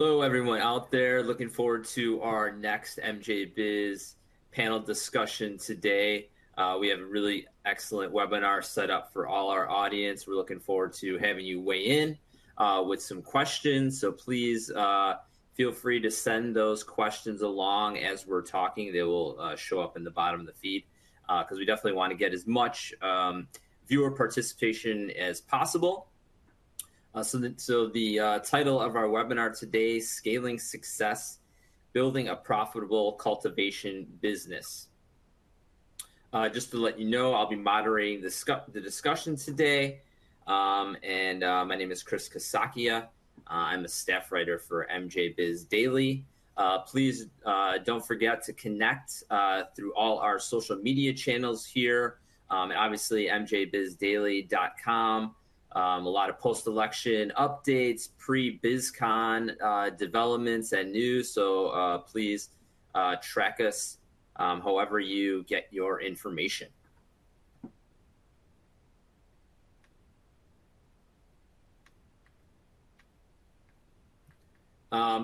Hello, everyone out there. Looking forward to our next MJBiz panel discussion today. We have a really excellent webinar set up for all our audience. We're looking forward to having you weigh in with some questions. So please feel free to send those questions along as we're talking. They will show up in the bottom of the feed because we definitely want to get as much viewer participation as possible. So the title of our webinar today is Scaling Success: Building a Profitable Cultivation Business. Just to let you know, I'll be moderating the discussion today. And my name is Chris Casacchia. I'm a staff writer for MJBizDaily. Please don't forget to connect through all our social media channels here, obviously mjbizdaily.com. A lot of post-election updates, pre-MJBizCon developments, and news. So please track us however you get your information.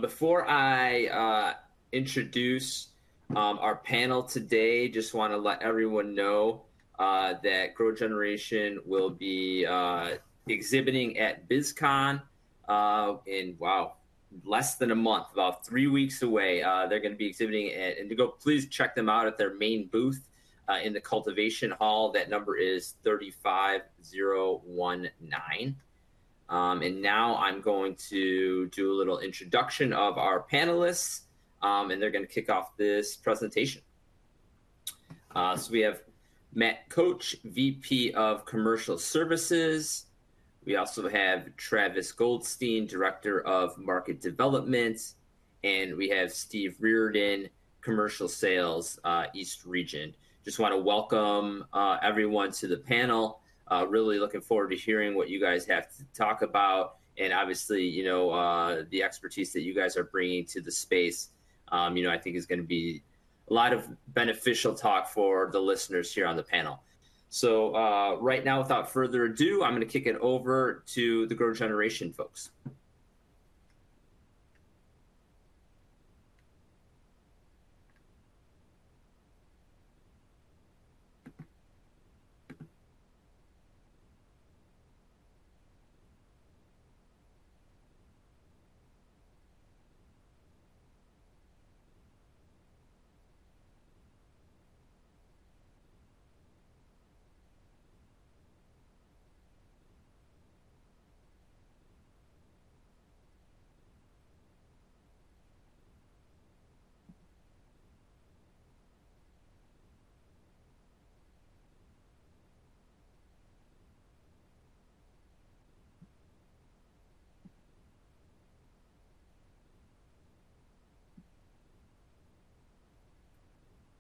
Before I introduce our panel today, I just want to let everyone know that GrowGeneration will be exhibiting at MJBizCon in, wow, less than a month, about three weeks away. They're going to be exhibiting at, and please check them out at their main booth in the cultivation hall. That number is 35019. And now I'm going to do a little introduction of our panelists, and they're going to kick off this presentation. So we have Matt Koch, VP of Commercial Services. We also have Travis Goldstein, Director of Market Development. And we have Sean Reardon, Commercial Sales, East Region. Just want to welcome everyone to the panel. Really looking forward to hearing what you guys have to talk about. Obviously, you know, the expertise that you guys are bringing to the space, you know, I think is going to be a lot of beneficial talk for the listeners here on the panel. Right now, without further ado, I'm going to kick it over to the GrowGeneration folks.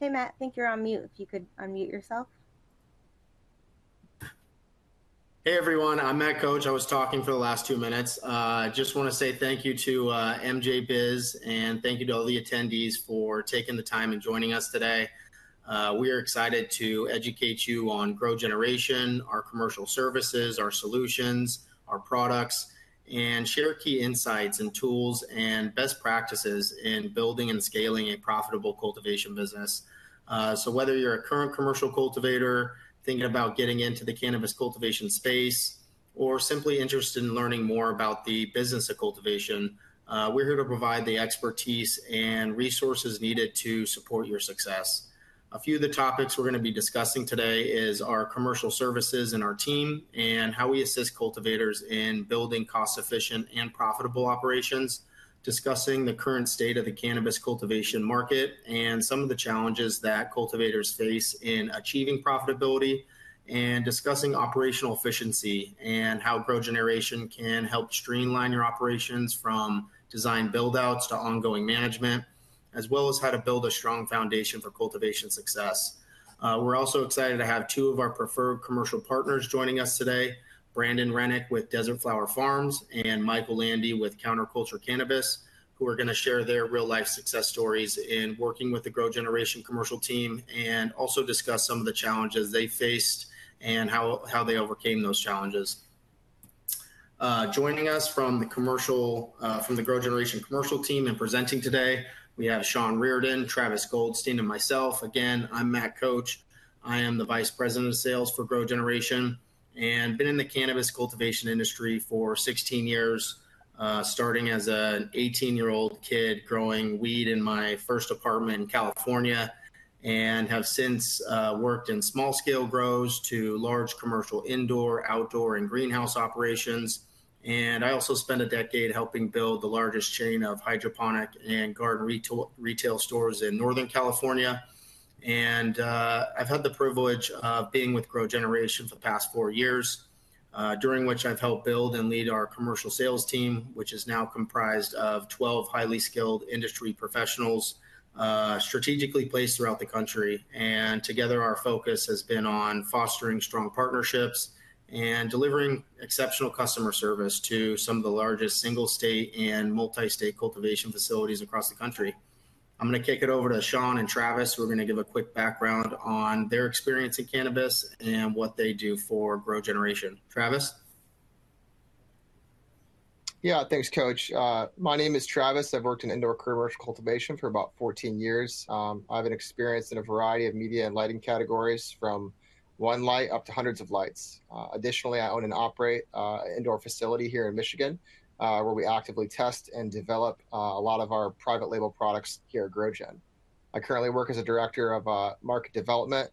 Hey, Matt. I think you're on mute. If you could unmute yourself. Hey, everyone. I'm Matt Koch. I was talking for the last two minutes. I just want to say thank you to MJBiz, and thank you to all the attendees for taking the time and joining us today. We are excited to educate you on GrowGeneration, our commercial services, our solutions, our products, and share key insights and tools and best practices in building and scaling a profitable cultivation business, so whether you're a current commercial cultivator, thinking about getting into the cannabis cultivation space, or simply interested in learning more about the business of cultivation, we're here to provide the expertise and resources needed to support your success. A few of the topics we're going to be discussing today are our commercial services and our team, and how we assist cultivators in building cost-efficient and profitable operations, discussing the current state of the cannabis cultivation market, and some of the challenges that cultivators face in achieving profitability, and discussing operational efficiency and how GrowGeneration can help streamline your operations from design build-outs to ongoing management, as well as how to build a strong foundation for cultivation success. We're also excited to have two of our preferred commercial partners joining us today, Brandon Rennick with Desert Flower Farms and Michael Landy with Counterculture Cannabis, who are going to share their real-life success stories in working with the GrowGeneration commercial team and also discuss some of the challenges they faced and how they overcame those challenges. Joining us from the GrowGeneration commercial team and presenting today, we have Sean Reardon, Travis Goldstein, and myself. Again, I'm Matt Koch. I am the Vice President of Sales for GrowGeneration. And I've been in the cannabis cultivation industry for 16 years, starting as an 18-year-old kid growing weed in my first apartment in California, and have since worked in small-scale grows to large commercial indoor, outdoor, and greenhouse operations. And I also spent a decade helping build the largest chain of hydroponic and garden retail stores in Northern California. And I've had the privilege of being with GrowGeneration for the past four years, during which I've helped build and lead our commercial sales team, which is now comprised of 12 highly skilled industry professionals strategically placed throughout the country. And together, our focus has been on fostering strong partnerships and delivering exceptional customer service to some of the largest single-state and multi-state cultivation facilities across the country. I'm going to kick it over to Sean and Travis. We're going to give a quick background on their experience in cannabis and what they do for GrowGeneration. Travis? Yeah, thanks, Koch. My name is Travis. I've worked in indoor commercial cultivation for about 14 years. I have experience in a variety of media and lighting categories from one light up to hundreds of lights. Additionally, I own and operate an indoor facility here in Michigan, where we actively test and develop a lot of our private label products here at GrowGeneration. I currently work as a Director of Market Development,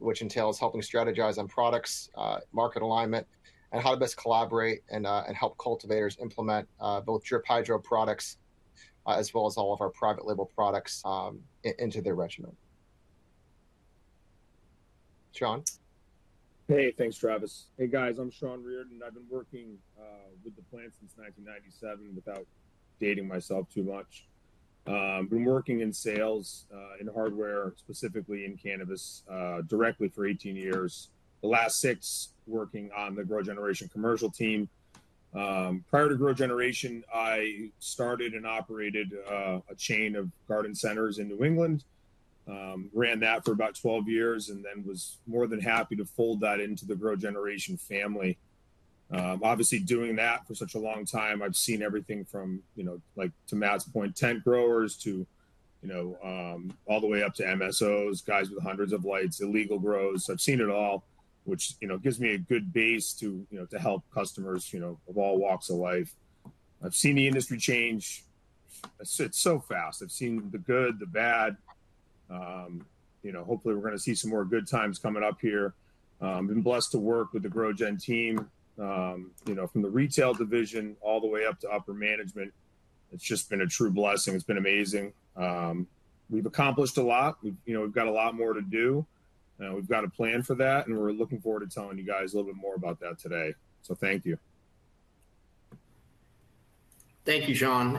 which entails helping strategize on products, market alignment, and how to best collaborate and help cultivators implement both drip hydro products as well as all of our private label products into their regimen. Sean? Hey, thanks, Travis. Hey, guys. I'm Sean Reardon. I've been working with the plant since 1997 without dating myself too much. I've been working in sales, in hardware, specifically in cannabis, directly for 18 years, the last six working on the GrowGeneration commercial team. Prior to GrowGeneration, I started and operated a chain of garden centers in New England, ran that for about 12 years, and then was more than happy to fold that into the GrowGeneration family. Obviously, doing that for such a long time, I've seen everything from, to Matt's point, tent growers to all the way up to MSOs, guys with hundreds of lights, illegal grows. I've seen it all, which gives me a good base to help customers of all walks of life. I've seen the industry change. It's so fast. I've seen the good, the bad. Hopefully, we're going to see some more good times coming up here. I've been blessed to work with the GrowGeneration team from the retail division all the way up to upper management. It's just been a true blessing. It's been amazing. We've accomplished a lot. We've got a lot more to do. We've got a plan for that. And we're looking forward to telling you guys a little bit more about that today. So thank you. Thank you, Sean.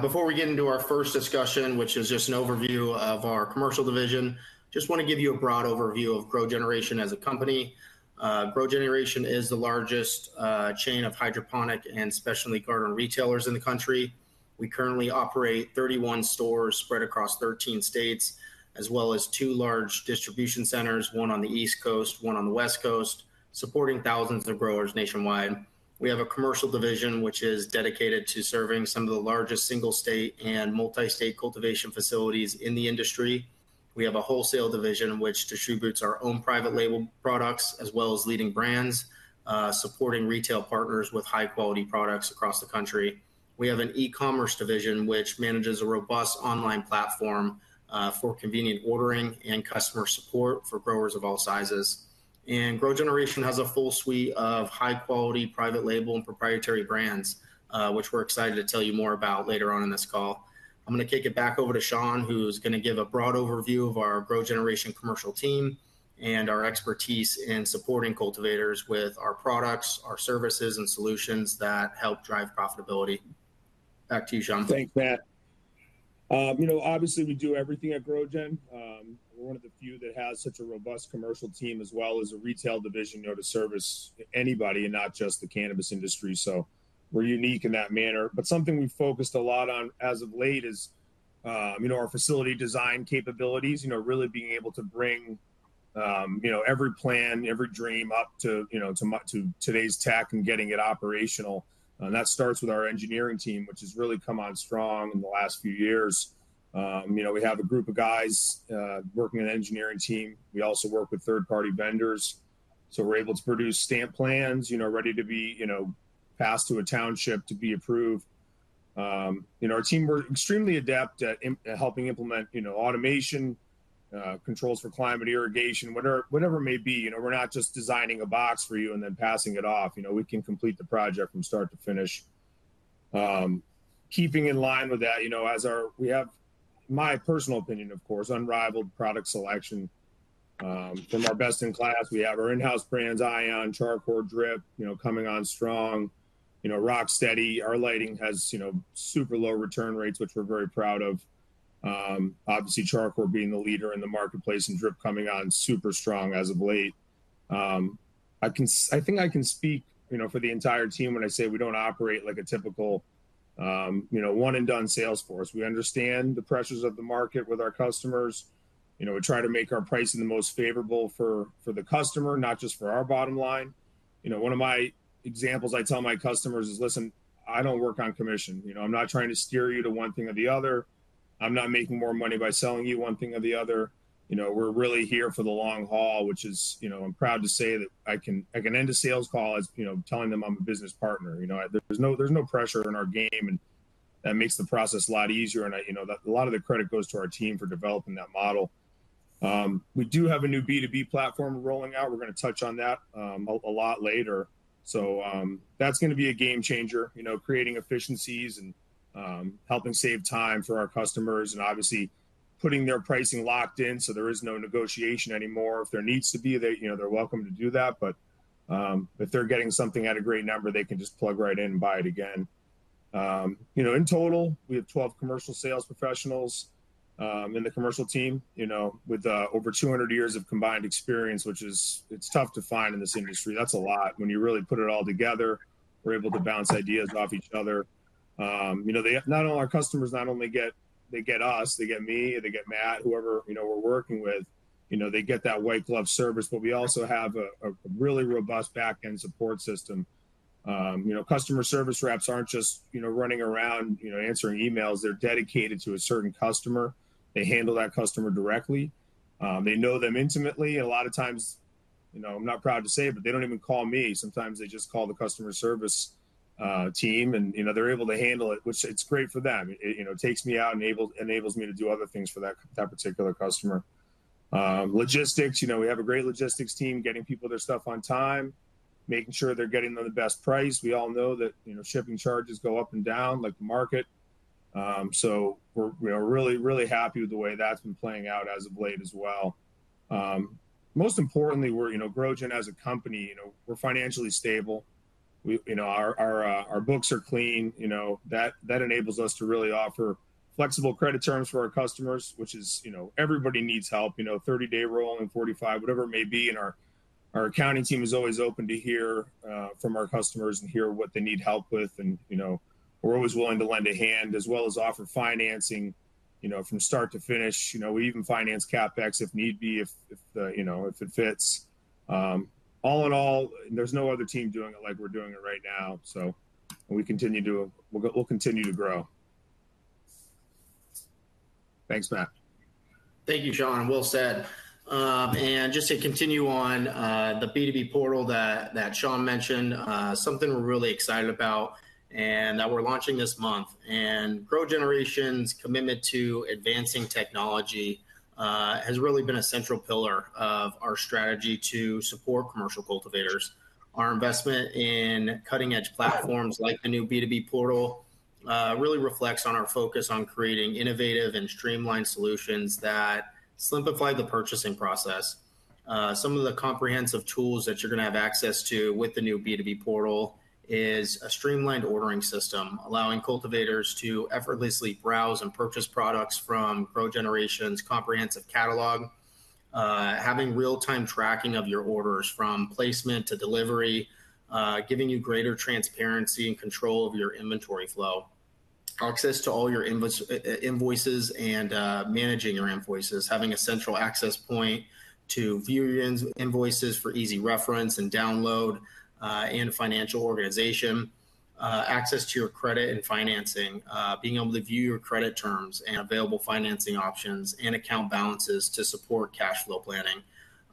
Before we get into our first discussion, which is just an overview of our commercial division, I just want to give you a broad overview of GrowGeneration as a company. GrowGeneration is the largest chain of hydroponic and specialty garden retailers in the country. We currently operate 31 stores spread across 13 states, as well as two large distribution centers, one on the East Coast, one on the West Coast, supporting thousands of growers nationwide. We have a commercial division, which is dedicated to serving some of the largest single-state and multi-state cultivation facilities in the industry. We have a wholesale division, which distributes our own private label products as well as leading brands, supporting retail partners with high-quality products across the country. We have an e-commerce division, which manages a robust online platform for convenient ordering and customer support for growers of all sizes. GrowGeneration has a full suite of high-quality private label and proprietary brands, which we're excited to tell you more about later on in this call. I'm going to kick it back over to Sean, who's going to give a broad overview of our GrowGeneration commercial team and our expertise in supporting cultivators with our products, our services, and solutions that help drive profitability. Back to you, Sean. Thanks, Matt. Obviously, we do everything at GrowGeneration. We're one of the few that has such a robust commercial team as well as a retail division to service anybody and not just the cannabis industry. So we're unique in that manner. But something we focused a lot on as of late is our facility design capabilities, really being able to bring every plan, every dream up to today's tech and getting it operational. And that starts with our engineering team, which has really come on strong in the last few years. We have a group of guys working on an engineering team. We also work with third-party vendors. So we're able to produce stamp plans ready to be passed to a township to be approved. Our team were extremely adept at helping implement automation, controls for climate irrigation, whatever it may be. We're not just designing a box for you and then passing it off. We can complete the project from start to finish. Keeping in line with that, we have, in my personal opinion, of course, unrivaled product selection from our best-in-class. We have our in-house brands, ION, Char Coir, Drip coming on strong, rock steady. Our lighting has super low return rates, which we're very proud of. Obviously, Char Coir being the leader in the marketplace and Drip coming on super strong as of late. I think I can speak for the entire team when I say we don't operate like a typical one-and-done sales force. We understand the pressures of the market with our customers. We try to make our pricing the most favorable for the customer, not just for our bottom line. One of my examples I tell my customers is, "Listen, I don't work on commission. I'm not trying to steer you to one thing or the other. I'm not making more money by selling you one thing or the other. We're really here for the long haul, which is. I'm proud to say that I can end a sales call by telling them I'm a business partner. There's no pressure in our game, and that makes the process a lot easier, and a lot of the credit goes to our team for developing that model. We do have a new B2B platform rolling out. We're going to touch on that a lot later. So that's going to be a game changer, creating efficiencies and helping save time for our customers and obviously putting their pricing locked in so there is no negotiation anymore. If there needs to be, they're welcome to do that. If they're getting something at a great number, they can just plug right in and buy it again. In total, we have 12 commercial sales professionals in the commercial team with over 200 years of combined experience, which is tough to find in this industry. That's a lot. When you really put it all together, we're able to bounce ideas off each other. Not only our customers get us, they get me, they get Matt, whoever we're working with. They get that white glove service. But we also have a really robust back-end support system. Customer service reps aren't just running around answering emails. They're dedicated to a certain customer. They handle that customer directly. They know them intimately. A lot of times, I'm not proud to say it, but they don't even call me. Sometimes they just call the customer service team. And they're able to handle it, which it's great for them. It takes me out and enables me to do other things for that particular customer. Logistics, we have a great logistics team, getting people their stuff on time, making sure they're getting them the best price. We all know that shipping charges go up and down like the market. So we're really, really happy with the way that's been playing out as of late as well. Most importantly, GrowGeneration as a company, we're financially stable. Our books are clean. That enables us to really offer flexible credit terms for our customers, which is everybody needs help, 30-day rolling, 45, whatever it may be. And our accounting team is always open to hear from our customers and hear what they need help with. And we're always willing to lend a hand as well as offer financing from start to finish. We even finance CapEx if need be if it fits. All in all, there's no other team doing it like we're doing it right now. So we'll continue to grow. Thanks, Matt. Thank you, Sean. Well said. And just to continue on the B2B portal that Sean mentioned, something we're really excited about and that we're launching this month. And GrowGeneration's commitment to advancing technology has really been a central pillar of our strategy to support commercial cultivators. Our investment in cutting-edge platforms like the new B2B portal really reflects on our focus on creating innovative and streamlined solutions that simplify the purchasing process. Some of the comprehensive tools that you're going to have access to with the new B2B portal is a streamlined ordering system, allowing cultivators to effortlessly browse and purchase products from GrowGeneration's comprehensive catalog, having real-time tracking of your orders from placement to delivery, giving you greater transparency and Control of your inventory flow, access to all your invoices and managing your invoices. Having a central access point to view your invoices for easy reference and download, and financial organization, access to your credit and financing, being able to view your credit terms and available financing options and account balances to support cash flow planning,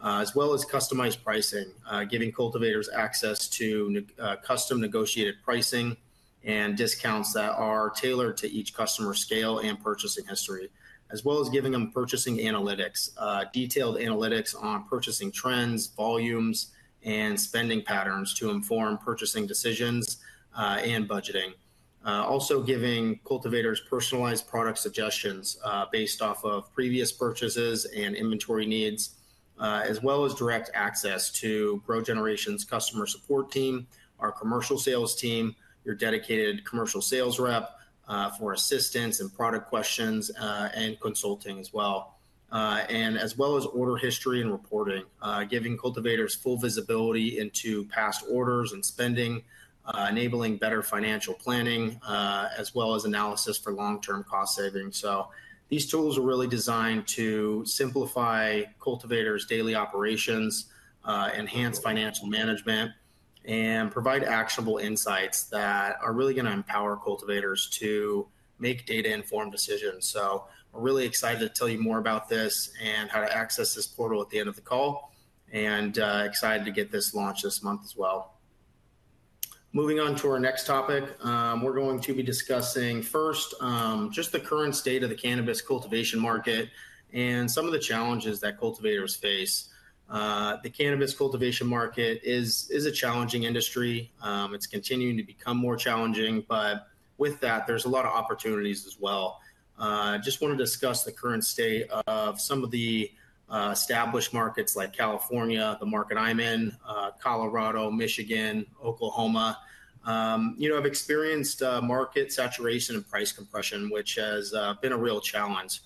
as well as customized pricing, giving cultivators access to custom negotiated pricing and discounts that are tailored to each customer scale and purchasing history, as well as giving them purchasing analytics, detailed analytics on purchasing trends, volumes, and spending patterns to inform purchasing decisions and budgeting. Also giving cultivators personalized product suggestions based off of previous purchases and inventory needs, as well as direct access to GrowGeneration's customer support team, our commercial sales team, your dedicated commercial sales rep for assistance and product questions and consulting as well, and as well as order history and reporting, giving cultivators full visibility into past orders and spending, enabling better financial planning, as well as analysis for long-term cost savings. So these tools are really designed to simplify cultivators' daily operations, enhance financial management, and provide actionable insights that are really going to empower cultivators to make data-informed decisions. So we're really excited to tell you more about this and how to access this portal at the end of the call. And excited to get this launched this month as well. Moving on to our next topic, we're going to be discussing first just the current state of the cannabis cultivation market and some of the challenges that cultivators face. The cannabis cultivation market is a challenging industry. It's continuing to become more challenging but with that, there's a lot of opportunities as well. I just want to discuss the current state of some of the established markets like California, the market I'm in, Colorado, Michigan, Oklahoma. I've experienced market saturation and price compression, which has been a real challenge.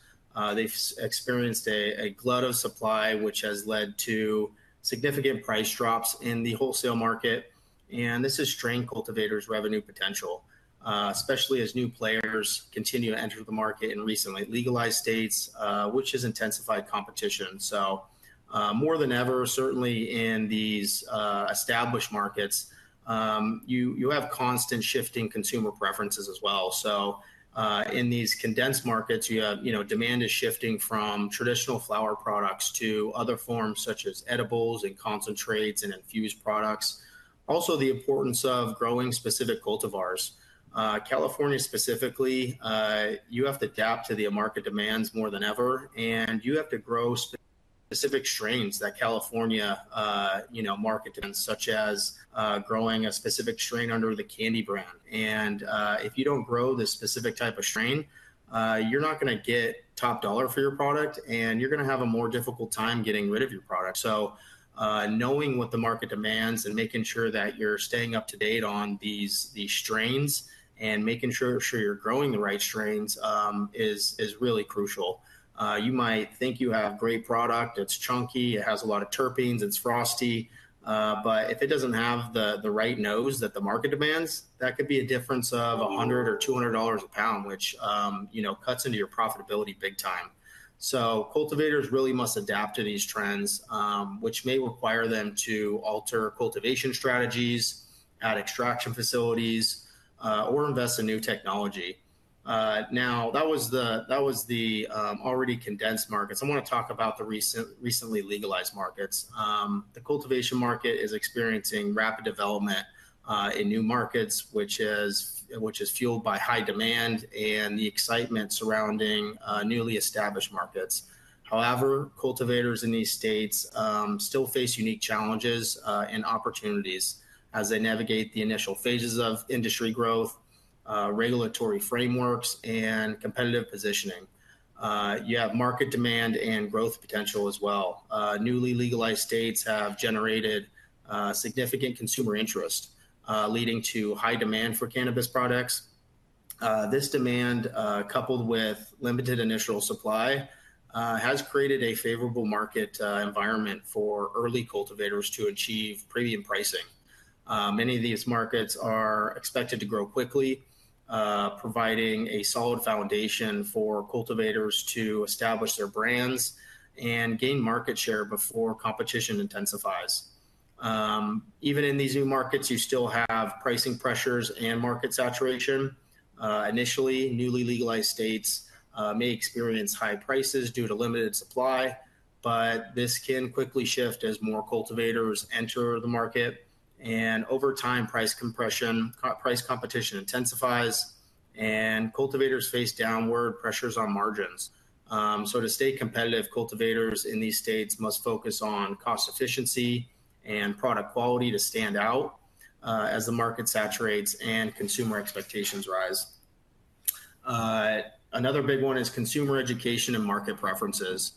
They've experienced a glut of supply, which has led to significant price drops in the wholesale market and this has strained cultivators' revenue potential, especially as new players continue to enter the market in recently legalized states, which has intensified competition so more than ever, certainly in these established markets, you have constant shifting consumer preferences as well. In these condensed markets, demand is shifting from traditional flower products to other forms such as edibles and concentrates and infused products. Also, the importance of growing specific cultivars. California specifically, you have to adapt to the market demands more than ever. And you have to grow specific strains that California markets, such as growing a specific strain under the candy brand. And if you don't grow the specific type of strain, you're not going to get top dollar for your product. And you're going to have a more difficult time getting rid of your product. So knowing what the market demands and making sure that you're staying up to date on these strains and making sure you're growing the right strains is really crucial. You might think you have great product. It's chunky. It has a lot of terpenes. It's frosty. But if it doesn't have the right nose that the market demands, that could be a difference of $100 or $200 a pound, which cuts into your profitability big time. So cultivators really must adapt to these trends, which may require them to alter cultivation strategies, add extraction facilities, or invest in new technology. Now, that was the already condensed markets. I want to talk about the recently legalized markets. The cultivation market is experiencing rapid development in new markets, which is fueled by high demand and the excitement surrounding newly established markets. However, cultivators in these states still face unique challenges and opportunities as they navigate the initial phases of industry growth, regulatory frameworks, and competitive positioning. You have market demand and growth potential as well. Newly legalized states have generated significant consumer interest, leading to high demand for cannabis products. This demand, coupled with limited initial supply, has created a favorable market environment for early cultivators to achieve premium pricing. Many of these markets are expected to grow quickly, providing a solid foundation for cultivators to establish their brands and gain market share before competition intensifies. Even in these new markets, you still have pricing pressures and market saturation. Initially, newly legalized states may experience high prices due to limited supply, but this can quickly shift as more cultivators enter the market, and over time, price competition intensifies, and cultivators face downward pressures on margins, so to stay competitive, cultivators in these states must focus on cost efficiency and product quality to stand out as the market saturates and consumer expectations rise. Another big one is consumer education and market preferences.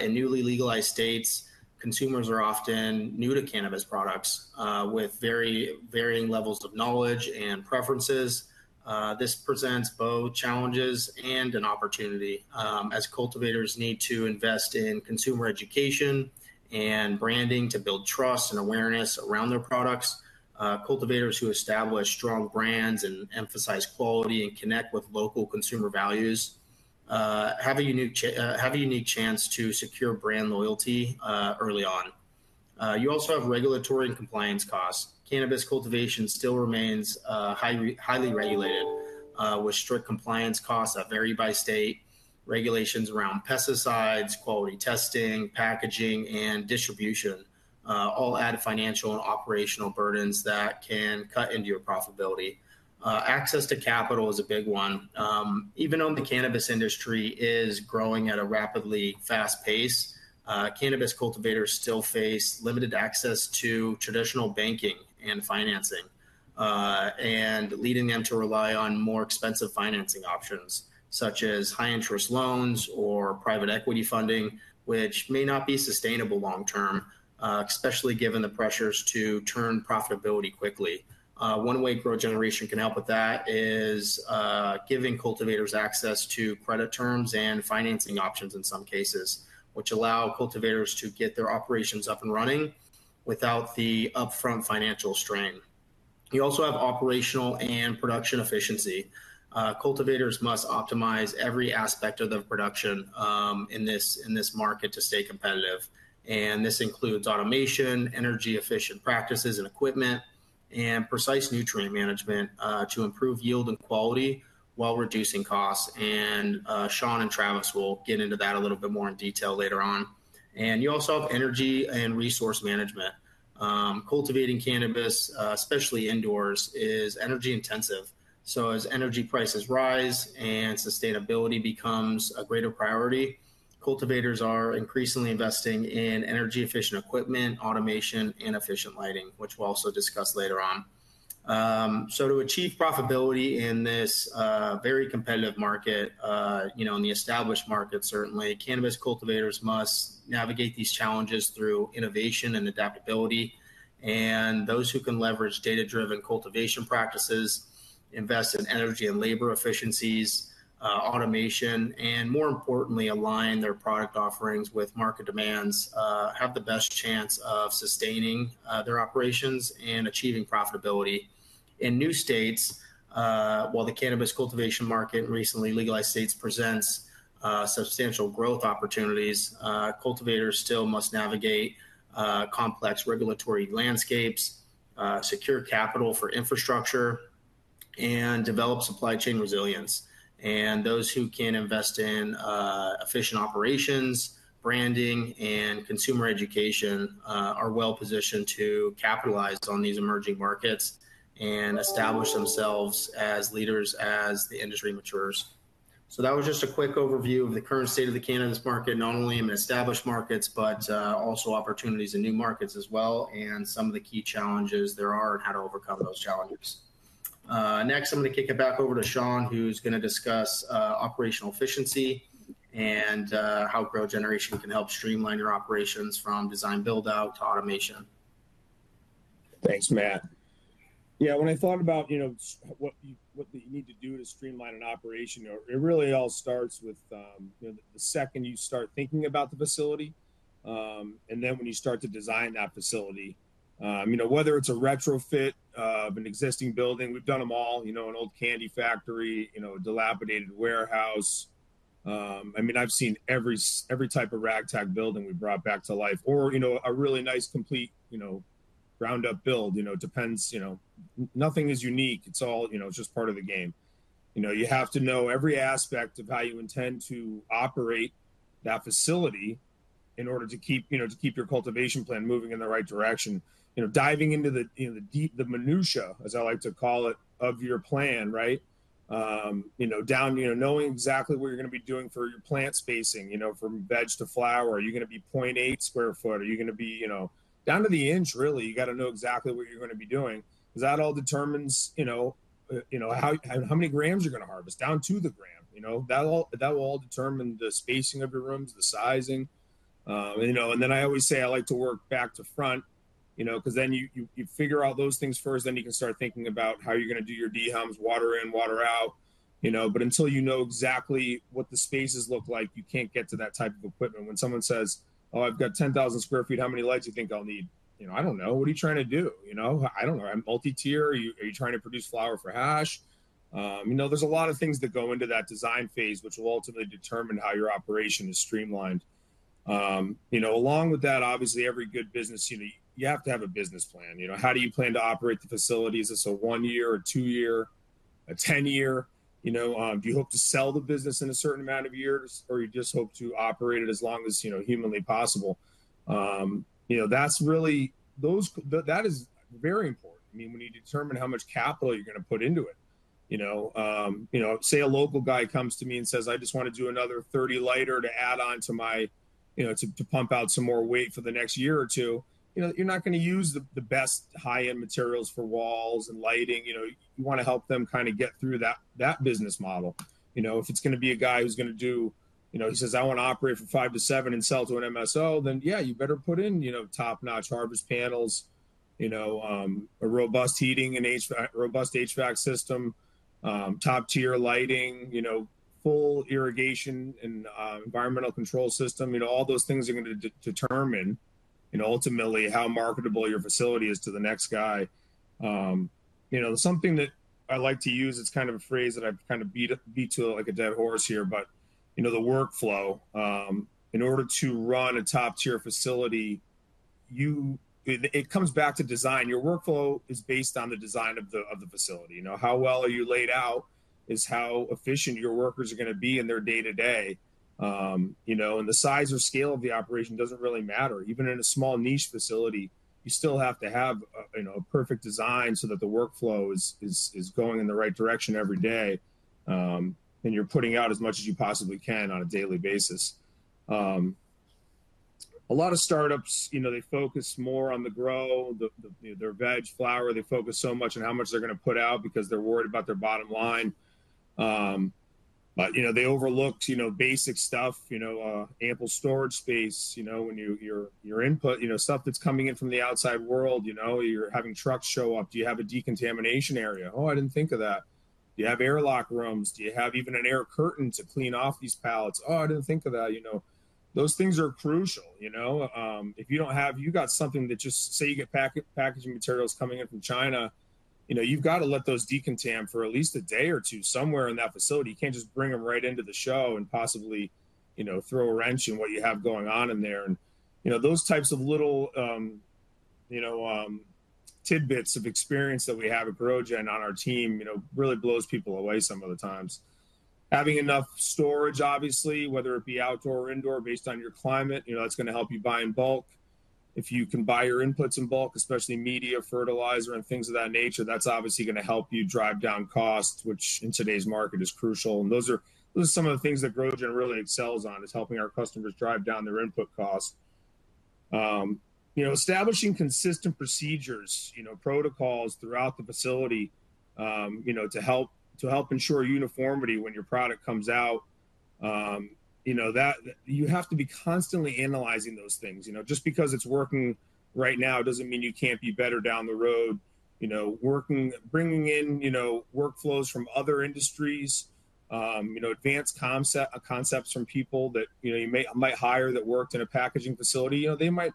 In newly legalized states, consumers are often new to cannabis products with very varying levels of knowledge and preferences. This presents both challenges and an opportunity as cultivators need to invest in consumer education and branding to build trust and awareness around their products. Cultivators who establish strong brands and emphasize quality and connect with local consumer values have a unique chance to secure brand loyalty early on. You also have regulatory and compliance costs. Cannabis cultivation still remains highly regulated, with strict compliance costs that vary by state, regulations around pesticides, quality testing, packaging, and distribution, all added financial and operational burdens that can cut into your profitability. Access to capital is a big one. Even though the cannabis industry is growing at a rapidly fast pace, cannabis cultivators still face limited access to traditional banking and financing, leading them to rely on more expensive financing options, such as high-interest loans or private equity funding, which may not be sustainable long-term, especially given the pressures to turn profitability quickly. One way GrowGeneration can help with that is giving cultivators access to credit terms and financing options in some cases, which allow cultivators to get their operations up and running without the upfront financial strain. You also have operational and production efficiency. Cultivators must optimize every aspect of their production in this market to stay competitive, and this includes automation, energy-efficient practices and equipment, and precise nutrient management to improve yield and quality while reducing costs, and Sean and Travis will get into that a little bit more in detail later on. You also have energy and resource management. Cultivating cannabis, especially indoors, is energy-intensive. As energy prices rise and sustainability becomes a greater priority, cultivators are increasingly investing in energy-efficient equipment, automation, and efficient lighting, which we'll also discuss later on. To achieve profitability in this very competitive market, in the established market, certainly, cannabis cultivators must navigate these challenges through innovation and adaptability. Those who can leverage data-driven cultivation practices, invest in energy and labor efficiencies, automation, and more importantly, align their product offerings with market demands, have the best chance of sustaining their operations and achieving profitability. In new states, while the cannabis cultivation market in recently legalized states presents substantial growth opportunities, cultivators still must navigate complex regulatory landscapes, secure capital for infrastructure, and develop supply chain resilience. Those who can invest in efficient operations, branding, and consumer education are well positioned to capitalize on these emerging markets and establish themselves as leaders as the industry matures. That was just a quick overview of the current state of the cannabis market, not only in established markets, but also opportunities in new markets as well, and some of the key challenges there are and how to overcome those challenges. Next, I'm going to kick it back over to Sean, who's going to discuss operational efficiency and how GrowGeneration can help streamline your operations from design buildout to automation. Thanks, Matt. Yeah, when I thought about what you need to do to streamline an operation, it really all starts with the second you start thinking about the facility. And then when you start to design that facility, whether it's a retrofit of an existing building, we've done them all, an old candy factory, a dilapidated warehouse. I mean, I've seen every type of ragtag building we've brought back to life, or a really nice, complete ground-up build. It depends. Nothing is unique. It's all just part of the game. You have to know every aspect of how you intend to operate that facility in order to keep your cultivation plan moving in the right direction, diving into the minutia, as I like to call it, of your plan, right? Knowing exactly what you're going to be doing for your plant spacing, from veg to flower. Are you going to be 0.8 sq ft? Are you going to be down to the inch, really? You got to know exactly what you're going to be doing. Because that all determines how many grams you're going to harvest, down to the gram. That will all determine the spacing of your rooms, the sizing, and then I always say I like to work back to front because then you figure out those things first, then you can start thinking about how you're going to do your dehums, water in, water out. But until you know exactly what the spaces look like, you can't get to that type of equipment. When someone says, "Oh, I've got 10,000 sq ft. How many lights do you think I'll need?" I don't know. What are you trying to do? I don't know. Multi-tier? Are you trying to produce flower for hash? There's a lot of things that go into that design phase, which will ultimately determine how your operation is streamlined. Along with that, obviously, every good business, you have to have a business plan. How do you plan to operate the facilities? Is it a one-year, a two-year, a 10-year? Do you hope to sell the business in a certain amount of years, or you just hope to operate it as long as humanly possible? That is very important. I mean, when you determine how much capital you're going to put into it. Say a local guy comes to me and says, "I just want to do another 30 lighter to add on to my pump out some more weight for the next year or two." You're not going to use the best high-end materials for walls and lighting. You want to help them kind of get through that business model. If it's going to be a guy who's going to do he says, "I want to operate from five to seven and sell to an MSO," then yeah, you better put in top-notch harvest panels, a robust HVAC system, top-tier lighting, full irrigation and environmental control system. All those things are going to determine ultimately how marketable your facility is to the next guy. Something that I like to use, it's kind of a phrase that I've kind of beat to it like a dead horse here, but the workflow. In order to run a top-tier facility, it comes back to design. Your workflow is based on the design of the facility. How well are you laid out is how efficient your workers are going to be in their day-to-day. The size or scale of the operation doesn't really matter. Even in a small niche facility, you still have to have a perfect design so that the workflow is going in the right direction every day. And you're putting out as much as you possibly can on a daily basis. A lot of startups, they focus more on the grow, their veg, flower. They focus so much on how much they're going to put out because they're worried about their bottom line. But they overlooked basic stuff, ample storage space when you're input, stuff that's coming in from the outside world. You're having trucks show up. Do you have a decontamination area? "Oh, I didn't think of that." Do you have airlock rooms? Do you have even an air curtain to clean off these pallets? "Oh, I didn't think of that." Those things are crucial. If you don't have, you got something that just, say, you get packaging materials coming in from China. You've got to let those decontaminate for at least a day or two somewhere in that facility. You can't just bring them right into the grow and possibly throw a wrench in what you have going on in there. And those types of little tidbits of experience that we have at GrowGen on our team really blows people away some of the times. Having enough storage, obviously, whether it be outdoor or indoor based on your climate, that's going to help you buy in bulk. If you can buy your inputs in bulk, especially media, fertilizer, and things of that nature, that's obviously going to help you drive down costs, which in today's market is crucial. Those are some of the things that GrowGen really excels on, is helping our customers drive down their input costs. Establishing consistent procedures, protocols throughout the facility to help ensure uniformity when your product comes out. You have to be constantly analyzing those things. Just because it's working right now doesn't mean you can't be better down the road. Bringing in workflows from other industries, advanced concepts from people that you might hire that worked in a packaging facility, they might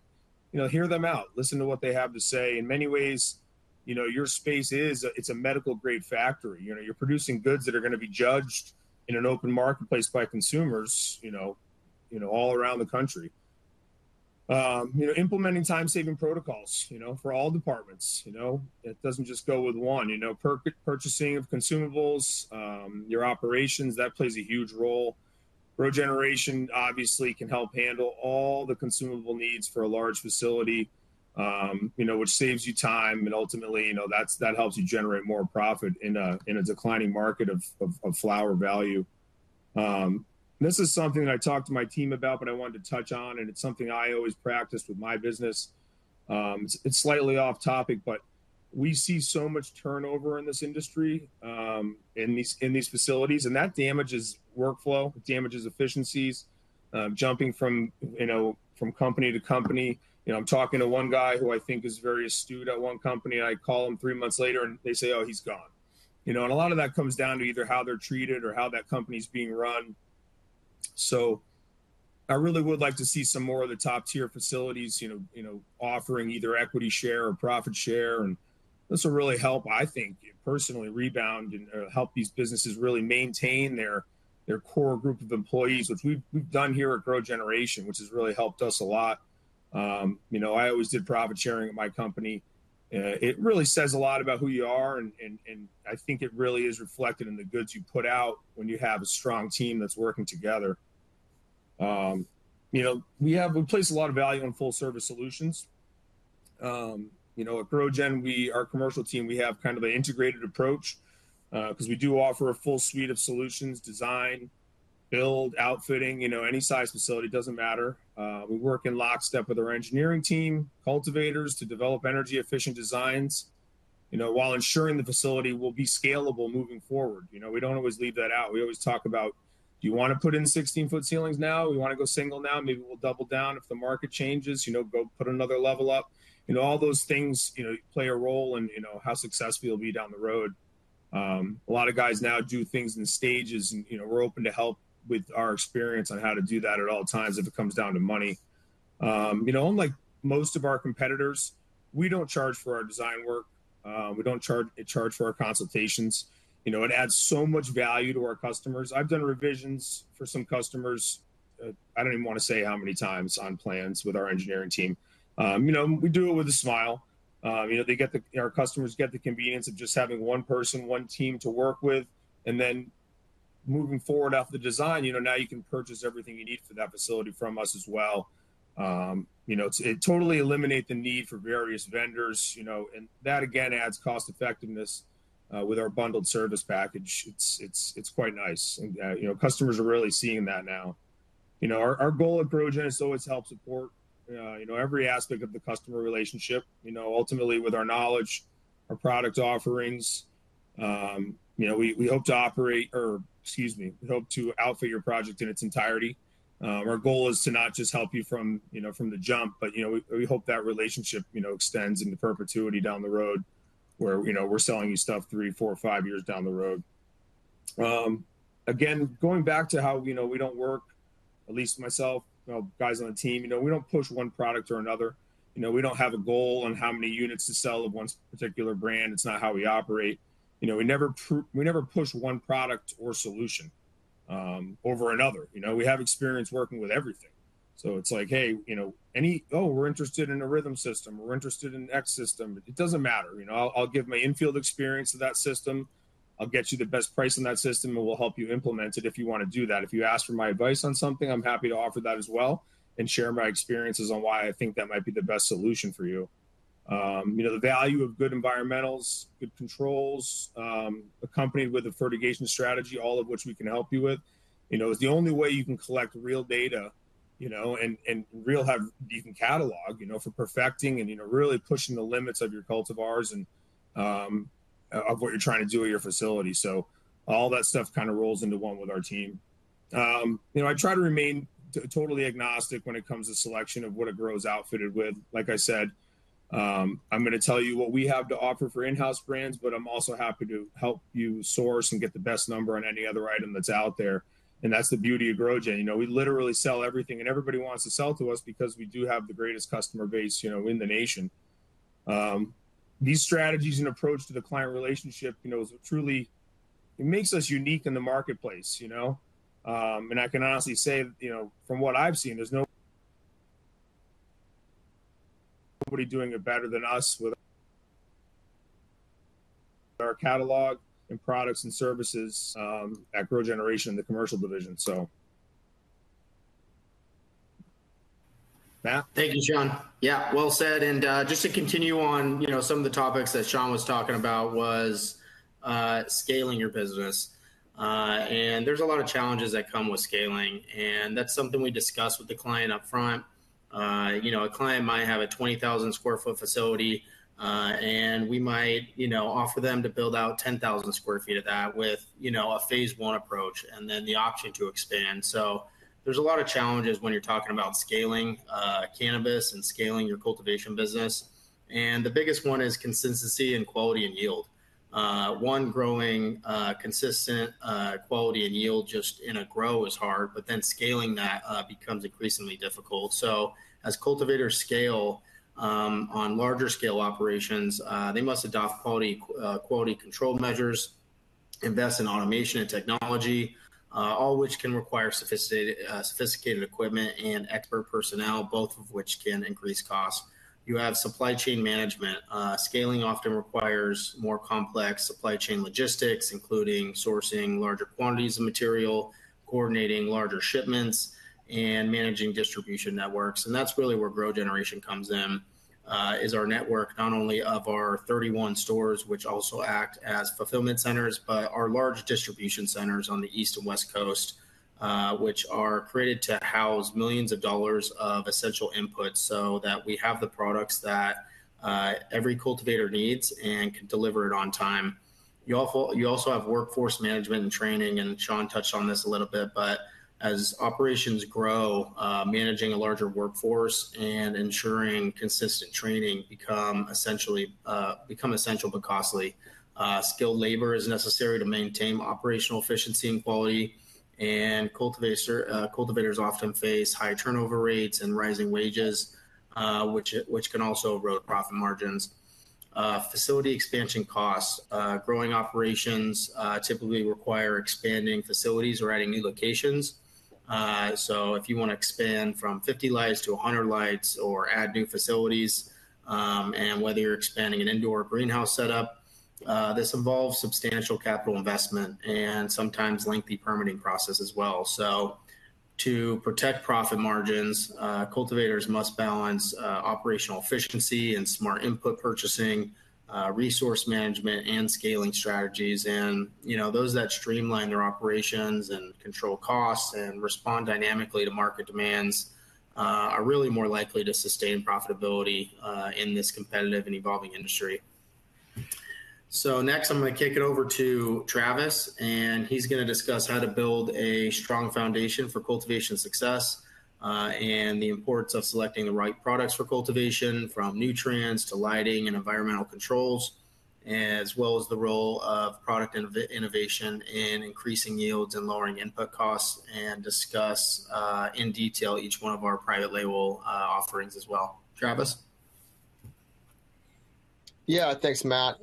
hear them out, listen to what they have to say. In many ways, your space is a medical-grade factory. You're producing goods that are going to be judged in an open marketplace by consumers all around the country. Implementing time-saving protocols for all departments. It doesn't just go with one. Purchasing of consumables, your operations, that plays a huge role. GrowGeneration, obviously, can help handle all the consumable needs for a large facility, which saves you time. And ultimately, that helps you generate more profit in a declining market of flower value. This is something that I talked to my team about, but I wanted to touch on. And it's something I always practice with my business. It's slightly off topic, but we see so much turnover in this industry, in these facilities. And that damages workflow, damages efficiencies, jumping from company to company. I'm talking to one guy who I think is very astute at one company. I call him three months later, and they say, "Oh, he's gone." And a lot of that comes down to either how they're treated or how that company's being run. So I really would like to see some more of the top-tier facilities offering either equity share or profit share. And this will really help, I think, personally rebound and help these businesses really maintain their core group of employees, which we've done here at GrowGeneration, which has really helped us a lot. I always did profit sharing at my company. It really says a lot about who you are. And I think it really is reflected in the goods you put out when you have a strong team that's working together. We place a lot of value on full-service solutions. At GrowGen, our commercial team, we have kind of an integrated approach because we do offer a full suite of solutions, design, build, outfitting, any size facility, doesn't matter. We work in lockstep with our engineering team, cultivators, to develop energy-efficient designs while ensuring the facility will be scalable moving forward. We don't always leave that out. We always talk about, "Do you want to put in 16-foot ceilings now? We want to go single now. Maybe we'll double down if the market changes. Go put another level up." All those things play a role in how successful you'll be down the road. A lot of guys now do things in stages. And we're open to help with our experience on how to do that at all times if it comes down to money. Unlike most of our competitors, we don't charge for our design work. We don't charge for our consultations. It adds so much value to our customers. I've done revisions for some customers. I don't even want to say how many times on plans with our engineering team. We do it with a smile. Our customers get the convenience of just having one person, one team to work with. And then moving forward off the design, now you can purchase everything you need for that facility from us as well. It totally eliminates the need for various vendors. And that, again, adds cost-effectiveness with our bundled service package. It's quite nice. And customers are really seeing that now. Our goal at GrowGen is to always help support every aspect of the customer relationship, ultimately with our knowledge, our product offerings. We hope to operate or, excuse me, we hope to outfit your project in its entirety. Our goal is to not just help you from the jump, but we hope that relationship extends into perpetuity down the road where we're selling you stuff three, four, five years down the road. Again, going back to how we don't work, at least myself, guys on the team, we don't push one product or another. We don't have a goal on how many units to sell of one particular brand. It's not how we operate. We never push one product or solution over another. We have experience working with everything. So it's like, "Hey, oh, we're interested in a rhythm system. We're interested in X system." It doesn't matter. I'll give my infield experience of that system. I'll get you the best price on that system, and we'll help you implement it if you want to do that. If you ask for my advice on something, I'm happy to offer that as well and share my experiences on why I think that might be the best solution for you. The value of good environmentals, good controls, accompanied with a fertigation strategy, all of which we can help you with, is the only way you can collect real data and really catalog for perfecting and really pushing the limits of your cultivars and of what you're trying to do at your facility. So all that stuff kind of rolls into one with our team. I try to remain totally agnostic when it comes to selection of what it grows outfitted with. Like I said, I'm going to tell you what we have to offer for in-house brands, but I'm also happy to help you source and get the best number on any other item that's out there. And that's the beauty of GrowGen. We literally sell everything. And everybody wants to sell to us because we do have the greatest customer base in the nation. These strategies and approach to the client relationship truly make us unique in the marketplace. And I can honestly say, from what I've seen, there's nobody doing it better than us with our catalog and products and services at GrowGeneration in the commercial division, so. Thank you, Sean. Yeah, well said. And just to continue on some of the topics that Sean was talking about was scaling your business. And there's a lot of challenges that come with scaling. And that's something we discuss with the client upfront. A client might have a 20,000 sq ft facility, and we might offer them to build out 10,000 sq ft of that with a phase one approach and then the option to expand. So there's a lot of challenges when you're talking about scaling cannabis and scaling your cultivation business. And the biggest one is consistency and quality and yield. One, growing consistent quality and yield just in a grow is hard, but then scaling that becomes increasingly difficult. So as cultivators scale on larger scale operations, they must adopt quality control measures, invest in automation and technology, all of which can require sophisticated equipment and expert personnel, both of which can increase costs. You have supply chain management. Scaling often requires more complex supply chain logistics, including sourcing larger quantities of material, coordinating larger shipments, and managing distribution networks. And that's really where GrowGeneration comes in, is our network, not only of our 31 stores, which also act as fulfillment centers, but our large distribution centers on the East and West Coast, which are created to house millions of dollars of essential inputs so that we have the products that every cultivator needs and can deliver it on time. You also have workforce management and training. Sean touched on this a little bit, but as operations grow, managing a larger workforce and ensuring consistent training become essential but costly. Skilled labor is necessary to maintain operational efficiency and quality. Cultivators often face high turnover rates and rising wages, which can also erode profit margins. Facility expansion costs. Growing operations typically require expanding facilities or adding new locations. If you want to expand from 50 lights to 100 lights or add new facilities, and whether you're expanding an indoor greenhouse setup, this involves substantial capital investment and sometimes lengthy permitting processes as well. To protect profit margins, cultivators must balance operational efficiency and smart input purchasing, resource management, and scaling strategies. Those that streamline their operations and control costs and respond dynamically to market demands are really more likely to sustain profitability in this competitive and evolving industry. So next, I'm going to kick it over to Travis, and he's going to discuss how to build a strong foundation for cultivation success and the importance of selecting the right products for cultivation, from nutrients to lighting and environmental controls, as well as the role of product innovation in increasing yields and lowering input costs, and discuss in detail each one of our private label offerings as well. Travis? Yeah, thanks, Matt.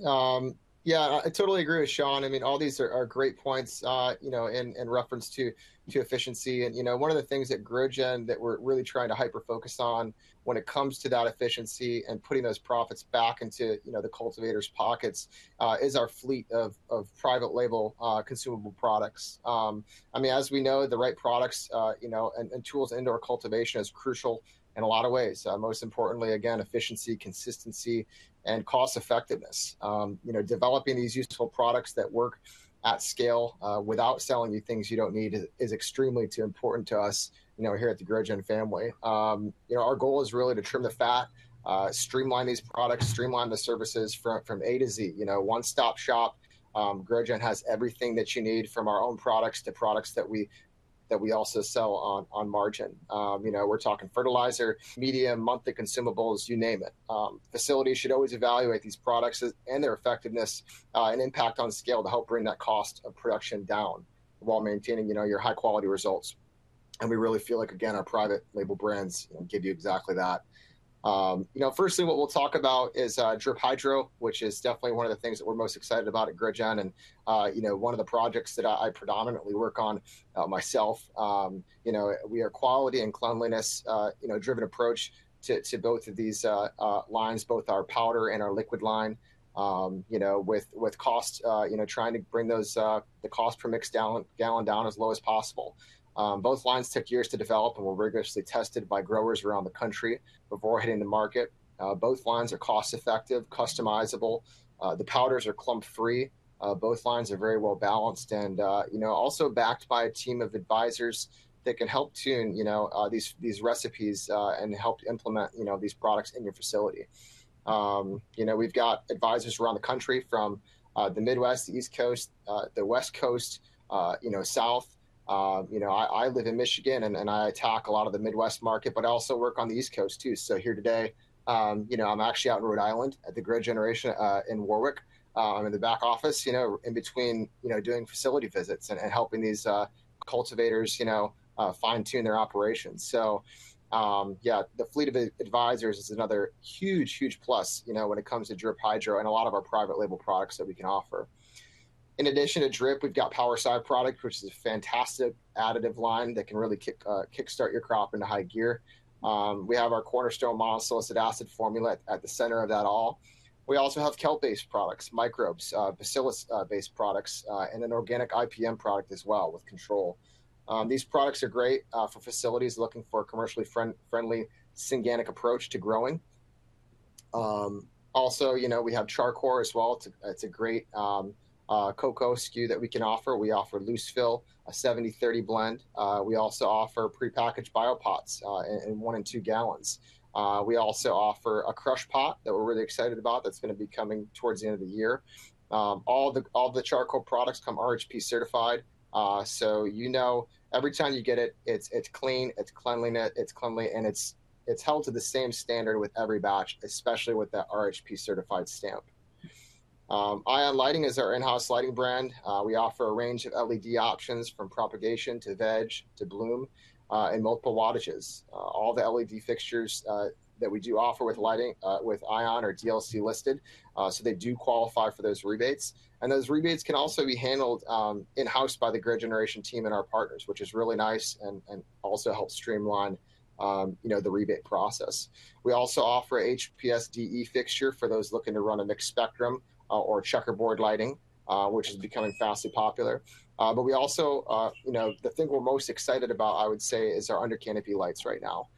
Yeah, I totally agree with Sean. I mean, all these are great points in reference to efficiency. And one of the things at GrowGen that we're really trying to hyper-focus on when it comes to that efficiency and putting those profits back into the cultivators' pockets is our fleet of private label consumable products. I mean, as we know, the right products and tools indoor cultivation is crucial in a lot of ways. Most importantly, again, efficiency, consistency, and cost-effectiveness. Developing these useful products that work at scale without selling you things you don't need is extremely important to us here at the GrowGeneration family. Our goal is really to trim the fat, streamline these products, streamline the services from A to Z, one-stop shop. GrowGeneration has everything that you need from our own products to products that we also sell on margin. We're talking fertilizer, medium, monthly consumables, you name it. Facilities should always evaluate these products and their effectiveness and impact on scale to help bring that cost of production down while maintaining your high-quality results. And we really feel like, again, our private label brands give you exactly that. Firstly, what we'll talk about is Drip Hydro, which is definitely one of the things that we're most excited about at GrowGeneration and one of the projects that I predominantly work on myself. We are quality and cleanliness-driven approach to both of these lines, both our powder and our liquid line, with cost, trying to bring the cost per mixed gallon down as low as possible. Both lines took years to develop and were rigorously tested by growers around the country before hitting the market. Both lines are cost-effective, customizable. The powders are clump-free. Both lines are very well balanced and also backed by a team of advisors that can help tune these recipes and help implement these products in your facility. We've got advisors around the country from the Midwest, the East Coast, the West Coast, South. I live in Michigan, and I attack a lot of the Midwest market, but I also work on the East Coast too. So here today, I'm actually out in Rhode Island at the GrowGeneration in Warwick. I'm in the back office in between doing facility visits and helping these cultivators fine-tune their operations. So yeah, the fleet of advisors is another huge, huge plus when it comes to Drip Hydro and a lot of our private label products that we can offer. In addition to Drip, we've got Power Si product, which is a fantastic additive line that can really kickstart your crop into high gear. We have our cornerstone monosilicic acid formula at the center of that all. We also have kelp-based products, microbes, bacillus-based products, and an organic IPM product as well with control. These products are great for facilities looking for a commercially friendly organic approach to growing. Also, we have Char Coir as well. It's a great coco coir that we can offer. We offer loose fill, a 70/30 blend. We also offer prepackaged BioPots in one and two gallons. We also offer a Crush pot that we're really excited about that's going to be coming towards the end of the year. All the Char Coir products come RHP certified. So every time you get it, it's clean, it's cleanliness, and it's held to the same standard with every batch, especially with that RHP certified stamp. ION Lighting is our in-house lighting brand. We offer a range of LED options from propagation to veg to bloom and multiple wattages. All the LED fixtures that we do offer with ION are DLC listed, so they do qualify for those rebates. And those rebates can also be handled in-house by the GrowGeneration team and our partners, which is really nice and also helps streamline the rebate process. We also offer HPS DE fixture for those looking to run a mixed spectrum or checkerboard lighting, which is becoming fast and popular. But we also, the thing we're most excited about, I would say, is our under canopy lights right now.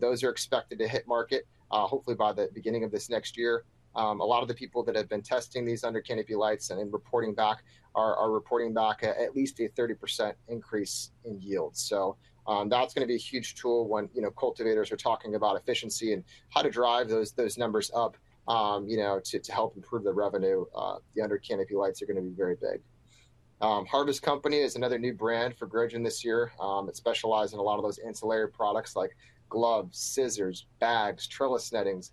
Those are expected to hit market, hopefully by the beginning of this next year. A lot of the people that have been testing these under canopy lights and reporting back are reporting back at least a 30% increase in yield. So that's going to be a huge tool when cultivators are talking about efficiency and how to drive those numbers up to help improve the revenue. The under canopy lights are going to be very big. Harvest Company is another new brand for GrowGen this year. It specializes in a lot of those ancillary products like gloves, scissors, bags, trellis nettings.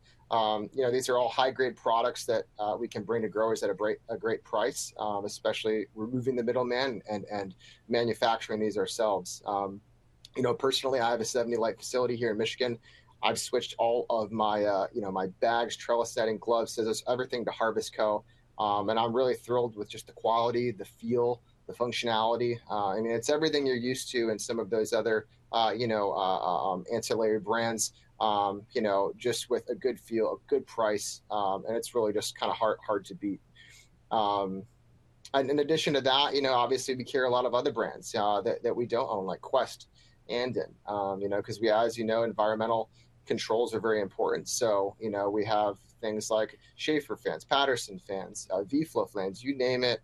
These are all high-grade products that we can bring to growers at a great price, especially removing the middleman and manufacturing these ourselves. Personally, I have a 70-light facility here in Michigan. I've switched all of my bags, trellis netting, gloves, scissors, everything to Harvest Co. And I'm really thrilled with just the quality, the feel, the functionality. I mean, it's everything you're used to in some of those other ancillary brands, just with a good feel, a good price, and it's really just kind of hard to beat. And in addition to that, obviously, we carry a lot of other brands that we don't own like Quest and Anden, because, as you know, environmental controls are very important. So we have things like Schaefer fans, Patterson fans, V-Flo fans, you name it,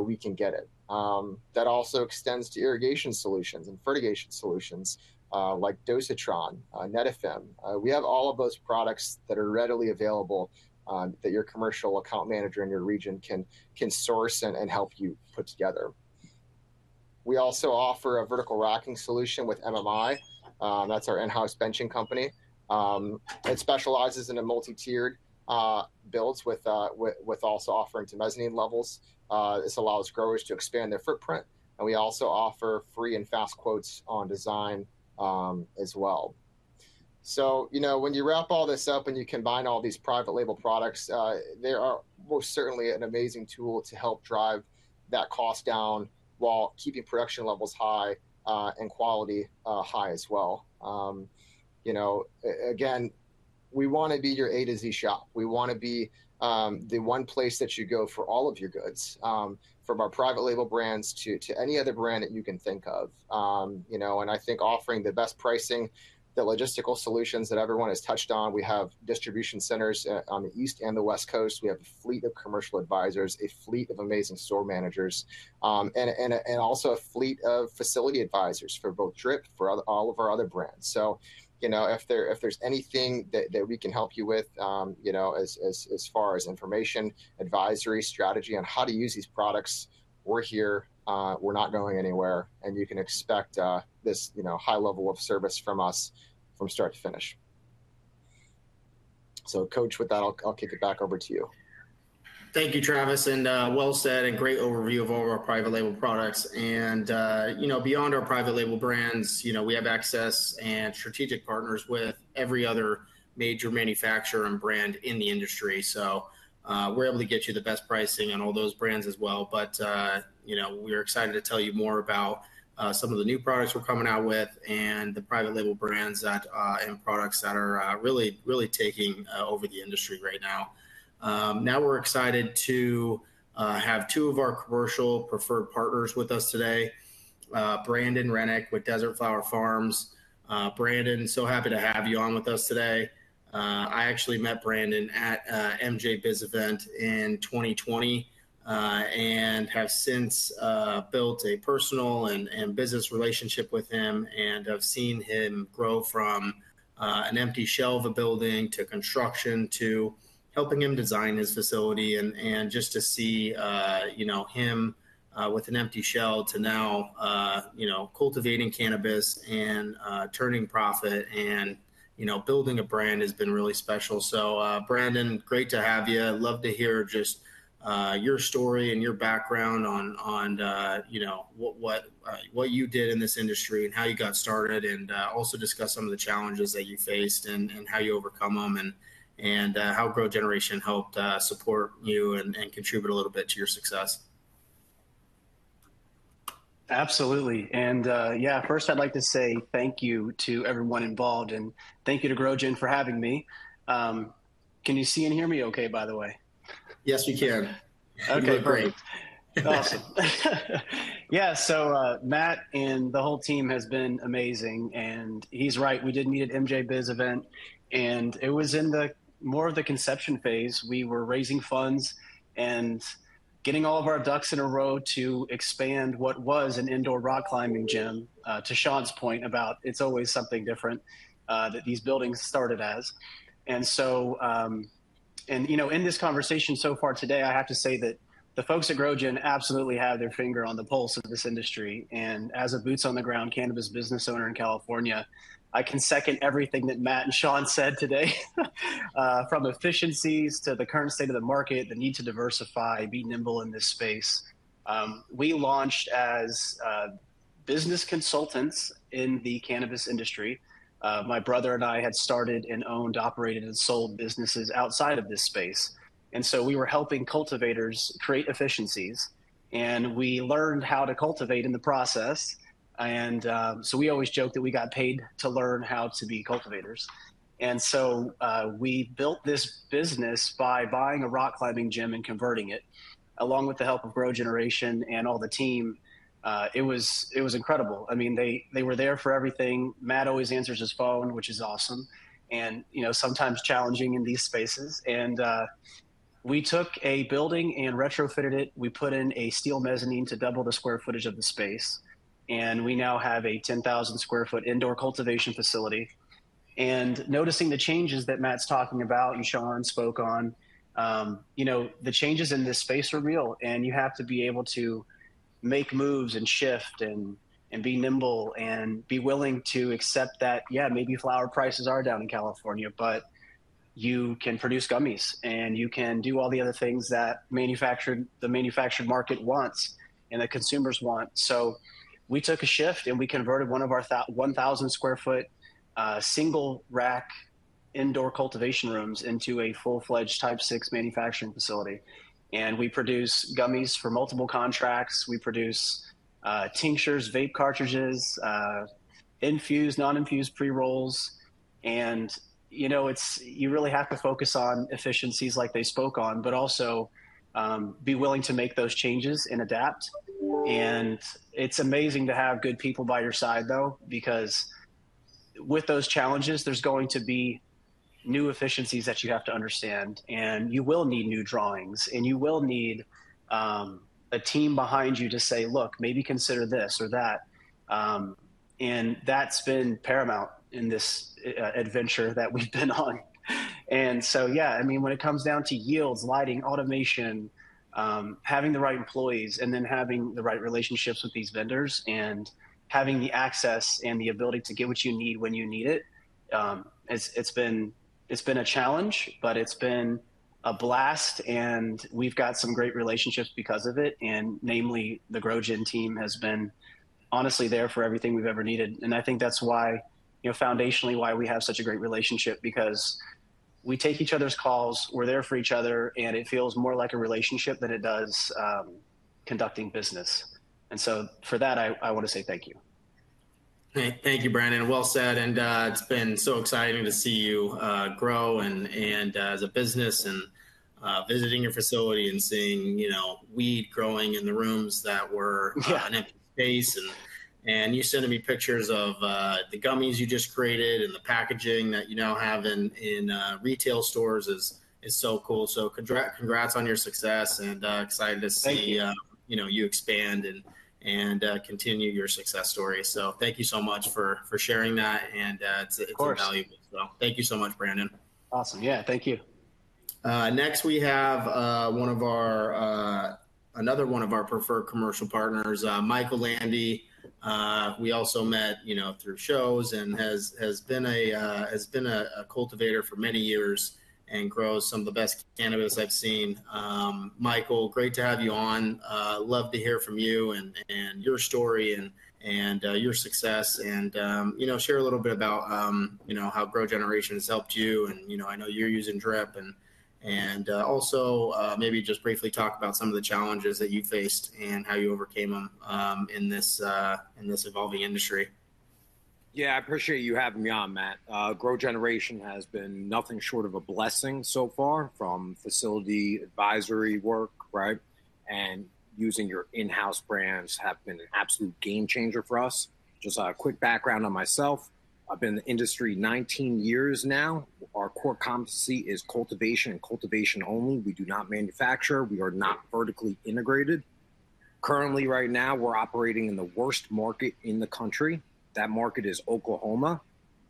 we can get it. That also extends to irrigation solutions and fertigation solutions like Dosatron, Netafim. We have all of those products that are readily available that your commercial account manager in your region can source and help you put together. We also offer a vertical racking solution with MMI. That's our in-house benching company. It specializes in a multi-tiered build with also offering to mezzanine levels. This allows growers to expand their footprint. And we also offer free and fast quotes on design as well. So when you wrap all this up and you combine all these private label products, they are most certainly an amazing tool to help drive that cost down while keeping production levels high and quality high as well. Again, we want to be your A to Z shop. We want to be the one place that you go for all of your goods, from our private label brands to any other brand that you can think of, and I think offering the best pricing, the logistical solutions that everyone has touched on. We have distribution centers on the East Coast and the West Coast. We have a fleet of commercial advisors, a fleet of amazing store managers, and also a fleet of facility advisors for both Drip, for all of our other brands. So if there's anything that we can help you with as far as information, advisory, strategy on how to use these products, we're here. We're not going anywhere. And you can expect this high level of service from us from start to finish, so Koch, with that, I'll kick it back over to you. Thank you, Travis, and well said and great overview of all of our private label products. And beyond our private label brands, we have access and strategic partners with every other major manufacturer and brand in the industry. So we're able to get you the best pricing on all those brands as well. But we are excited to tell you more about some of the new products we're coming out with and the private label brands and products that are really taking over the industry right now. Now we're excited to have two of our commercial preferred partners with us today, Brandon Rennick with Desert Flower Farms. Brandon, so happy to have you on with us today. I actually met Brandon at MJBiz event in 2020 and have since built a personal and business relationship with him and have seen him grow from an empty shell of building to construction to helping him design his facility and just to see him with an empty shell to now cultivating cannabis and turning profit and building a brand has been really special. So Brandon, great to have you. I'd love to hear just your story and your background on what you did in this industry and how you got started and also discuss some of the challenges that you faced and how you overcome them and how GrowGeneration helped support you and contribute a little bit to your success. Absolutely. Yeah, first, I'd like to say thank you to everyone involved and thank you to GrowGen for having me. Can you see and hear me okay, by the way? Yes, we can. Okay, great. Awesome. Yeah. So Matt and the whole team has been amazing. And he's right. We did meet at MJBiz event, and it was in more of the conception phase. We were raising funds and getting all of our ducks in a row to expand what was an indoor rock climbing gym, to Sean's point about it's always something different that these buildings started as. And in this conversation so far today, I have to say that the folks at GrowGen absolutely have their finger on the pulse of this industry. And as a boots-on-the-ground cannabis business owner in California, I can second everything that Matt and Sean said today, from efficiencies to the current state of the market, the need to diversify, be nimble in this space. We launched as business consultants in the cannabis industry. My brother and I had started and owned, operated, and sold businesses outside of this space. And so we were helping cultivators create efficiencies, and we learned how to cultivate in the process. And so we always joke that we got paid to learn how to be cultivators. And so we built this business by buying a rock climbing gym and converting it along with the help of GrowGeneration and all the team. It was incredible. I mean, they were there for everything. Matt always answers his phone, which is awesome and sometimes challenging in these spaces. And we took a building and retrofitted it. We put in a steel mezzanine to double the square footage of the space. And we now have a 10,000 sq ft indoor cultivation facility. Noticing the changes that Matt's talking about and Sean spoke on, the changes in this space are real. You have to be able to make moves and shift and be nimble and be willing to accept that, yeah, maybe flower prices are down in California, but you can produce gummies and you can do all the other things that the manufactured market wants and that consumers want. We took a shift and we converted one of our 1,000 sq ft single rack indoor cultivation rooms into a full-fledged Type 6 manufacturing facility. We produce gummies for multiple contracts. We produce tinctures, vape cartridges, infused, non-infused pre-rolls. You really have to focus on efficiencies like they spoke on, but also be willing to make those changes and adapt. And it's amazing to have good people by your side, though, because with those challenges, there's going to be new efficiencies that you have to understand. And you will need new drawings, and you will need a team behind you to say, "Look, maybe consider this or that." And that's been paramount in this adventure that we've been on. And so yeah, I mean, when it comes down to yields, lighting, automation, having the right employees, and then having the right relationships with these vendors and having the access and the ability to get what you need when you need it, it's been a challenge, but it's been a blast. And we've got some great relationships because of it. And namely, the GrowGen team has been honestly there for everything we've ever needed. And I think that's foundationally why we have such a great relationship because we take each other's calls. We're there for each other. And it feels more like a relationship than it does conducting business. And so for that, I want to say thank you. Thank you, Brandon. Well said. And it's been so exciting to see you grow and as a business and visiting your facility and seeing weed growing in the rooms that were an empty space. And you sent me pictures of the gummies you just created and the packaging that you now have in retail stores is so cool. So congrats on your success and excited to see you expand and continue your success story. So thank you so much for sharing that. And it's invaluable. Thank you so much, Brandon. Awesome. Yeah, thank you. Next, we have one of our preferred commercial partners, Michael Landy. We also met through shows and has been a cultivator for many years and grows some of the best cannabis I've seen. Michael, great to have you on. Love to hear from you and your story and your success and share a little bit about how GrowGeneration has helped you. And I know you're using Drip. And also maybe just briefly talk about some of the challenges that you faced and how you overcame them in this evolving industry. Yeah, I appreciate you having me on, Matt. GrowGeneration has been nothing short of a blessing so far from facility advisory work, right? And using your in-house brands have been an absolute game changer for us. Just a quick background on myself. I've been in the industry 19 years now. Our core competency is cultivation and cultivation only. We do not manufacture. We are not vertically integrated. Currently, right now, we're operating in the worst market in the country. That market is Oklahoma.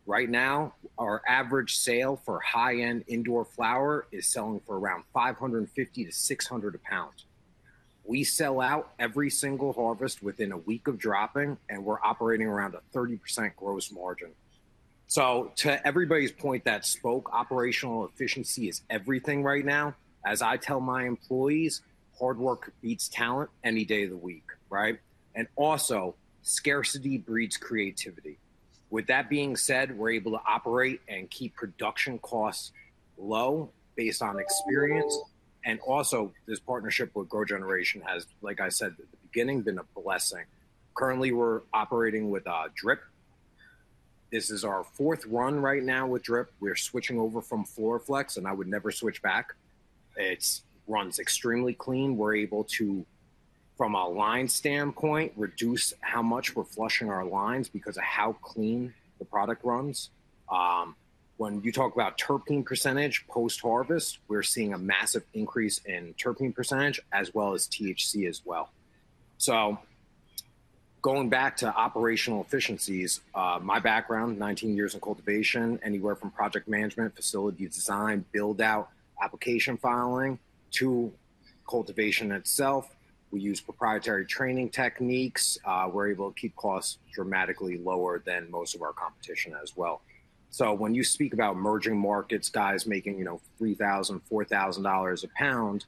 Right now, our average sale for high-end indoor flower is selling for around $550-$600 a pound. We sell out every single harvest within a week of dropping, and we're operating around a 30% gross margin. So to everybody's point that spoke, operational efficiency is everything right now. As I tell my employees, hard work beats talent any day of the week, right? And also, scarcity breeds creativity. With that being said, we're able to operate and keep production costs low based on experience. And also, this partnership with GrowGeneration has, like I said at the beginning, been a blessing. Currently, we're operating with Drip. This is our fourth run right now with Drip. We're switching over from FloraFlex, and I would never switch back. It runs extremely clean. We're able to, from a line standpoint, reduce how much we're flushing our lines because of how clean the product runs. When you talk about terpene percentage post-harvest, we're seeing a massive increase in terpene percentage as well as THC as well. So going back to operational efficiencies, my background, 19 years in cultivation, anywhere from project management, facility design, build-out, application filing to cultivation itself. We use proprietary training techniques. We're able to keep costs dramatically lower than most of our competition as well. So when you speak about emerging markets, guys making $3,000-$4,000 a pound,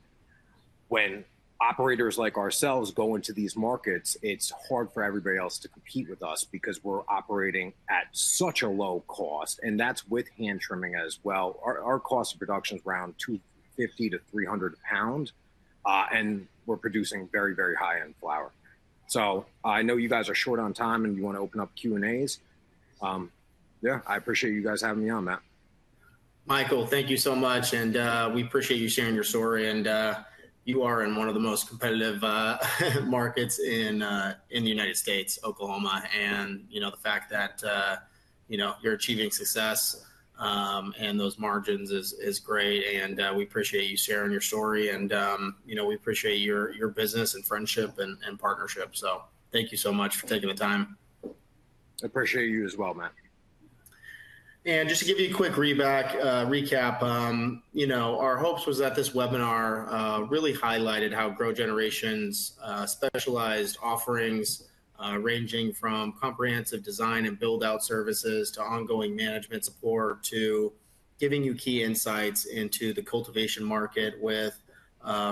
when operators like ourselves go into these markets, it's hard for everybody else to compete with us because we're operating at such a low cost, and that's with hand trimming as well. Our cost of production is around $250-$300 a pound, and we're producing very, very high-end flower. So I know you guys are short on time and you want to open up Q&As. Yeah, I appreciate you guys having me on, Matt. Michael, thank you so much. And we appreciate you sharing your story. And you are in one of the most competitive markets in the United States, Oklahoma. And the fact that you're achieving success and those margins is great. And we appreciate you sharing your story. And we appreciate your business and friendship and partnership. So thank you so much for taking the time. I appreciate you as well, Matt. Just to give you a quick recap, our hopes were that this webinar really highlighted how GrowGeneration's specialized offerings ranging from comprehensive design and build-out services to ongoing management support to giving you key insights into the cultivation market with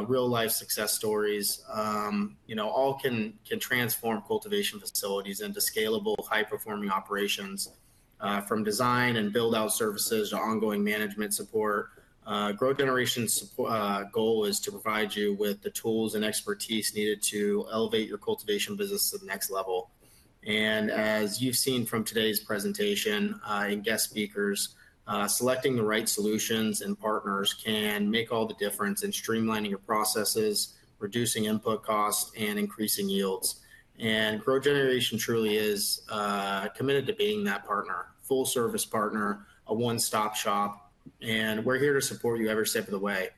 real-life success stories all can transform cultivation facilities into scalable, high-performing operations. GrowGeneration's goal is to provide you with the tools and expertise needed to elevate your cultivation business to the next level. As you've seen from today's presentation and guest speakers, selecting the right solutions and partners can make all the difference in streamlining your processes, reducing input costs, and increasing yields. GrowGeneration truly is committed to being that partner, full-service partner, a one-stop shop. We're here to support you every step of the way.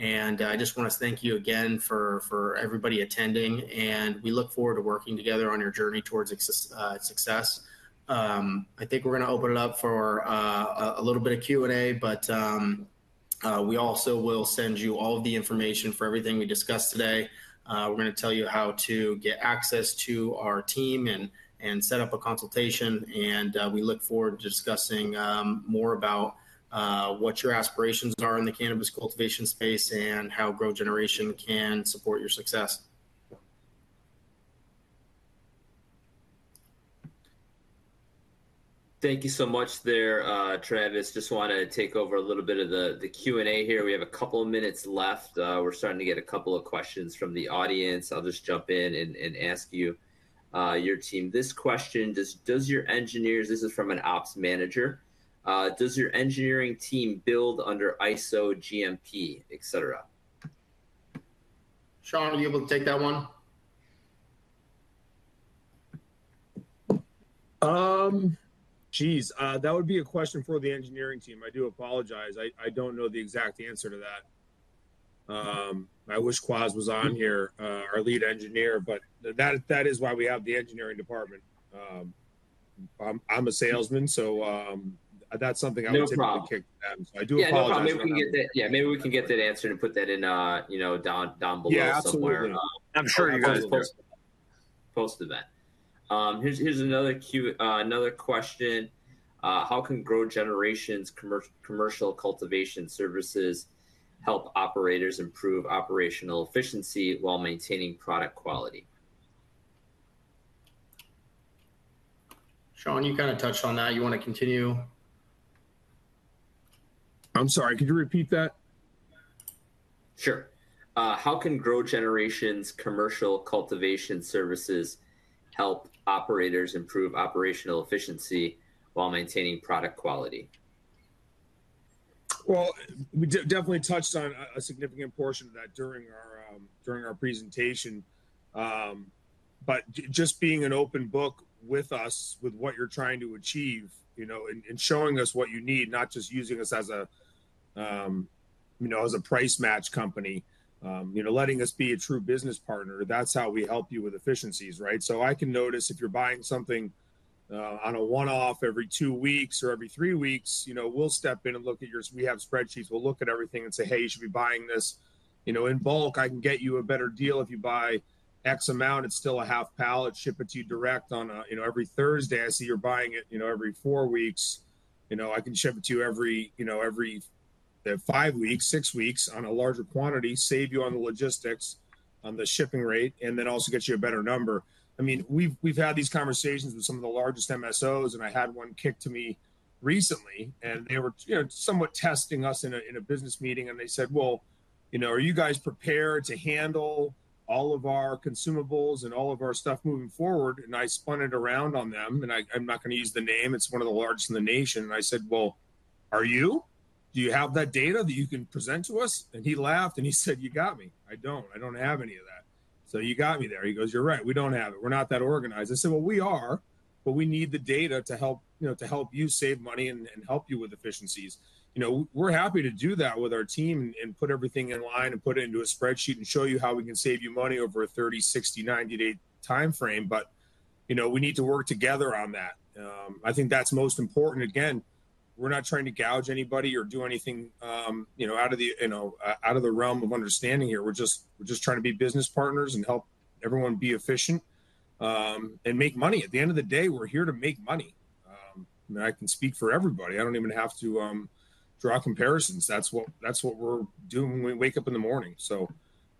I just want to thank you again for everybody attending. And we look forward to working together on your journey towards success. I think we're going to open it up for a little bit of Q&A, but we also will send you all of the information for everything we discussed today. We're going to tell you how to get access to our team and set up a consultation. And we look forward to discussing more about what your aspirations are in the cannabis cultivation space and how GrowGeneration can support your success. Thank you so much there, Travis. Just want to take over a little bit of the Q&A here. We have a couple of minutes left. We're starting to get a couple of questions from the audience. I'll just jump in and ask you, your team. This question, does your engineers (this is from an ops manager) does your engineering team build under ISO, GMP, etc.? Sean, are you able to take that one? Jeez, that would be a question for the engineering team. I do apologize. I don't know the exact answer to that. I wish Quas was on here, our lead engineer, but that is why we have the engineering department. I'm a salesman, so that's something I would take to the end. So I do apologize. Yeah, maybe we can get that. Yeah, maybe we can get that answered and put that in down below somewhere. Yeah, absolutely. I'm sure you guys posted that. Here's another question. How can GrowGeneration's commercial cultivation services help operators improve operational efficiency while maintaining product quality? Sean, you kind of touched on that. You want to continue? I'm sorry. Could you repeat that? Sure. How can GrowGeneration's commercial cultivation services help operators improve operational efficiency while maintaining product quality? We definitely touched on a significant portion of that during our presentation. But just being an open book with us with what you're trying to achieve and showing us what you need, not just using us as a price match company, letting us be a true business partner, that's how we help you with efficiencies, right? So I can notice if you're buying something on a one-off every two weeks or every three weeks, we'll step in and look at your. We have spreadsheets. We'll look at everything and say, "Hey, you should be buying this in bulk. I can get you a better deal if you buy X amount. It's still a half pallet. Ship it to you direct on every Thursday. I see you're buying it every four weeks. I can ship it to you every five weeks, six weeks on a larger quantity, save you on the logistics, on the shipping rate, and then also get you a better number." I mean, we've had these conversations with some of the largest MSOs, and I had one quip to me recently. They were somewhat testing us in a business meeting. They said, "Well, are you guys prepared to handle all of our consumables and all of our stuff moving forward?" I spun it around on them. I'm not going to use the name. It's one of the largest in the nation. I said, "Well, are you? Do you have that data that you can present to us?" He laughed and he said, "You got me. I don't. I don't have any of that." So you got me there. He goes, "You're right. We don't have it. We're not that organized." I said, "Well, we are, but we need the data to help you save money and help you with efficiencies." We're happy to do that with our team and put everything in line and put it into a spreadsheet and show you how we can save you money over a 30, 60, 90-day time frame. But we need to work together on that. I think that's most important. Again, we're not trying to gouge anybody or do anything out of the realm of understanding here. We're just trying to be business partners and help everyone be efficient and make money. At the end of the day, we're here to make money. I mean, I can speak for everybody. I don't even have to draw comparisons. That's what we're doing when we wake up in the morning. So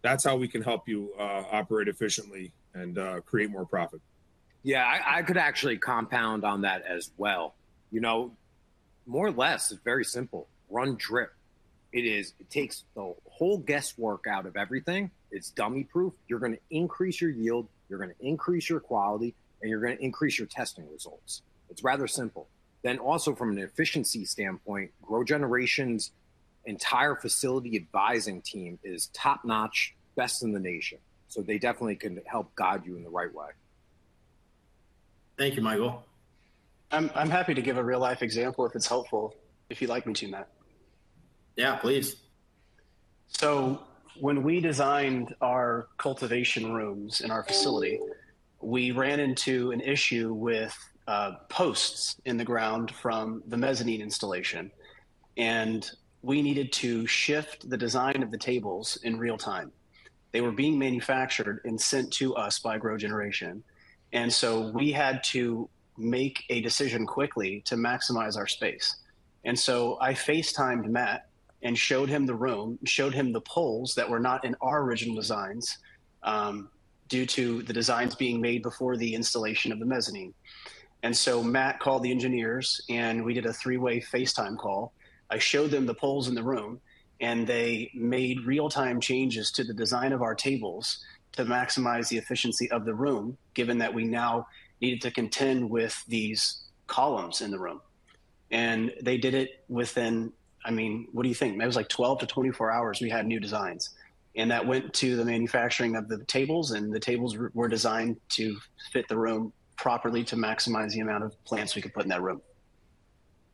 that's how we can help you operate efficiently and create more profit. Yeah, I could actually compound on that as well. More or less, it's very simple. Run Drip. It takes the whole guesswork out of everything. It's dummy-proof. You're going to increase your yield. You're going to increase your quality. And you're going to increase your testing results. It's rather simple. Then also from an efficiency standpoint, GrowGeneration's entire facility advising team is top-notch, best in the nation. So they definitely can help guide you in the right way. Thank you, Michael. I'm happy to give a real-life example if it's helpful, if you'd like me to, Matt. Yeah, please. So when we designed our cultivation rooms in our facility, we ran into an issue with posts in the ground from the mezzanine installation. And we needed to shift the design of the tables in real time. They were being manufactured and sent to us by GrowGeneration, and so we had to make a decision quickly to maximize our space, and so I FaceTimed Matt and showed him the room, showed him the poles that were not in our original designs due to the designs being made before the installation of the mezzanine, and so Matt called the engineers, and we did a three-way FaceTime call. I showed them the poles in the room, and they made real-time changes to the design of our tables to maximize the efficiency of the room, given that we now needed to contend with these columns in the room, and they did it within, I mean, what do you think? It was like 12-24 hours we had new designs. And that went to the manufacturing of the tables, and the tables were designed to fit the room properly to maximize the amount of plants we could put in that room.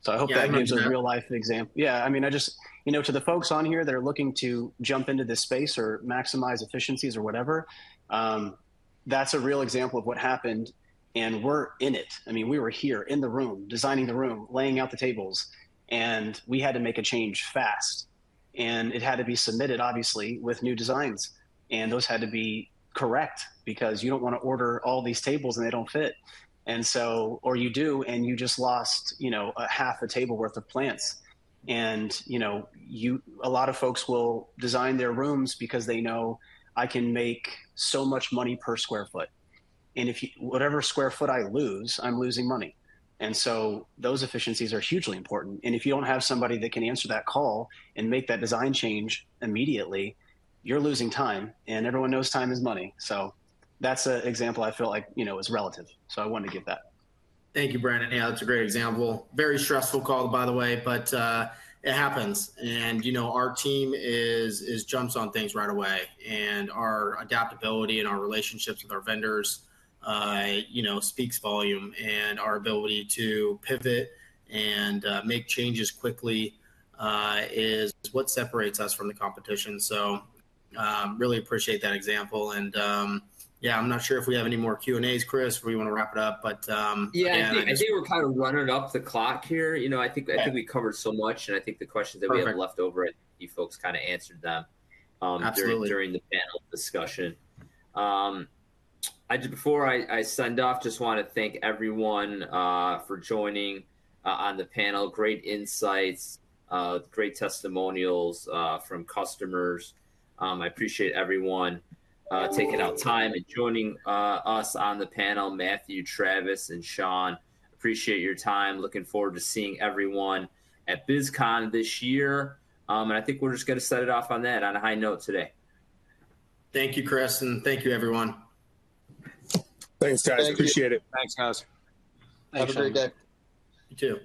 So I hope that gives a real-life example. Yeah. I mean, to the folks on here that are looking to jump into this space or maximize efficiencies or whatever, that's a real example of what happened. And we're in it. I mean, we were here in the room, designing the room, laying out the tables. And we had to make a change fast. And it had to be submitted, obviously, with new designs. And those had to be correct because you don't want to order all these tables and they don't fit. Or you do, and you just lost half a table worth of plants. A lot of folks will design their rooms because they know, "I can make so much money per square foot. And whatever square foot I lose, I'm losing money." And so those efficiencies are hugely important. And if you don't have somebody that can answer that call and make that design change immediately, you're losing time. And everyone knows time is money. So that's an example I feel like is relative. So I wanted to give that. Thank you, Brandon. Yeah, that's a great example. Very stressful call, by the way, but it happens. And our team jumps on things right away. And our adaptability and our relationships with our vendors speaks volumes. And our ability to pivot and make changes quickly is what separates us from the competition. So really appreciate that example. And yeah, I'm not sure if we have any more Q&As, Chris, if we want to wrap it up, but. Yeah, I think we're kind of running up the clock here. I think we covered so much. And I think the questions that we have left over, I think you folks kind of answered them during the panel discussion. Before I sign off, just want to thank everyone for joining on the panel. Great insights, great testimonials from customers. I appreciate everyone taking the time and joining us on the panel, Matt, Travis, and Sean. Appreciate your time. Looking forward to seeing everyone at MJBizCon this year. And I think we're just going to sign off on that on a high note today. Thank you, Chris. And thank you, everyone. Thanks, guys. Appreciate it. Thanks, guys. Have a great day. You too.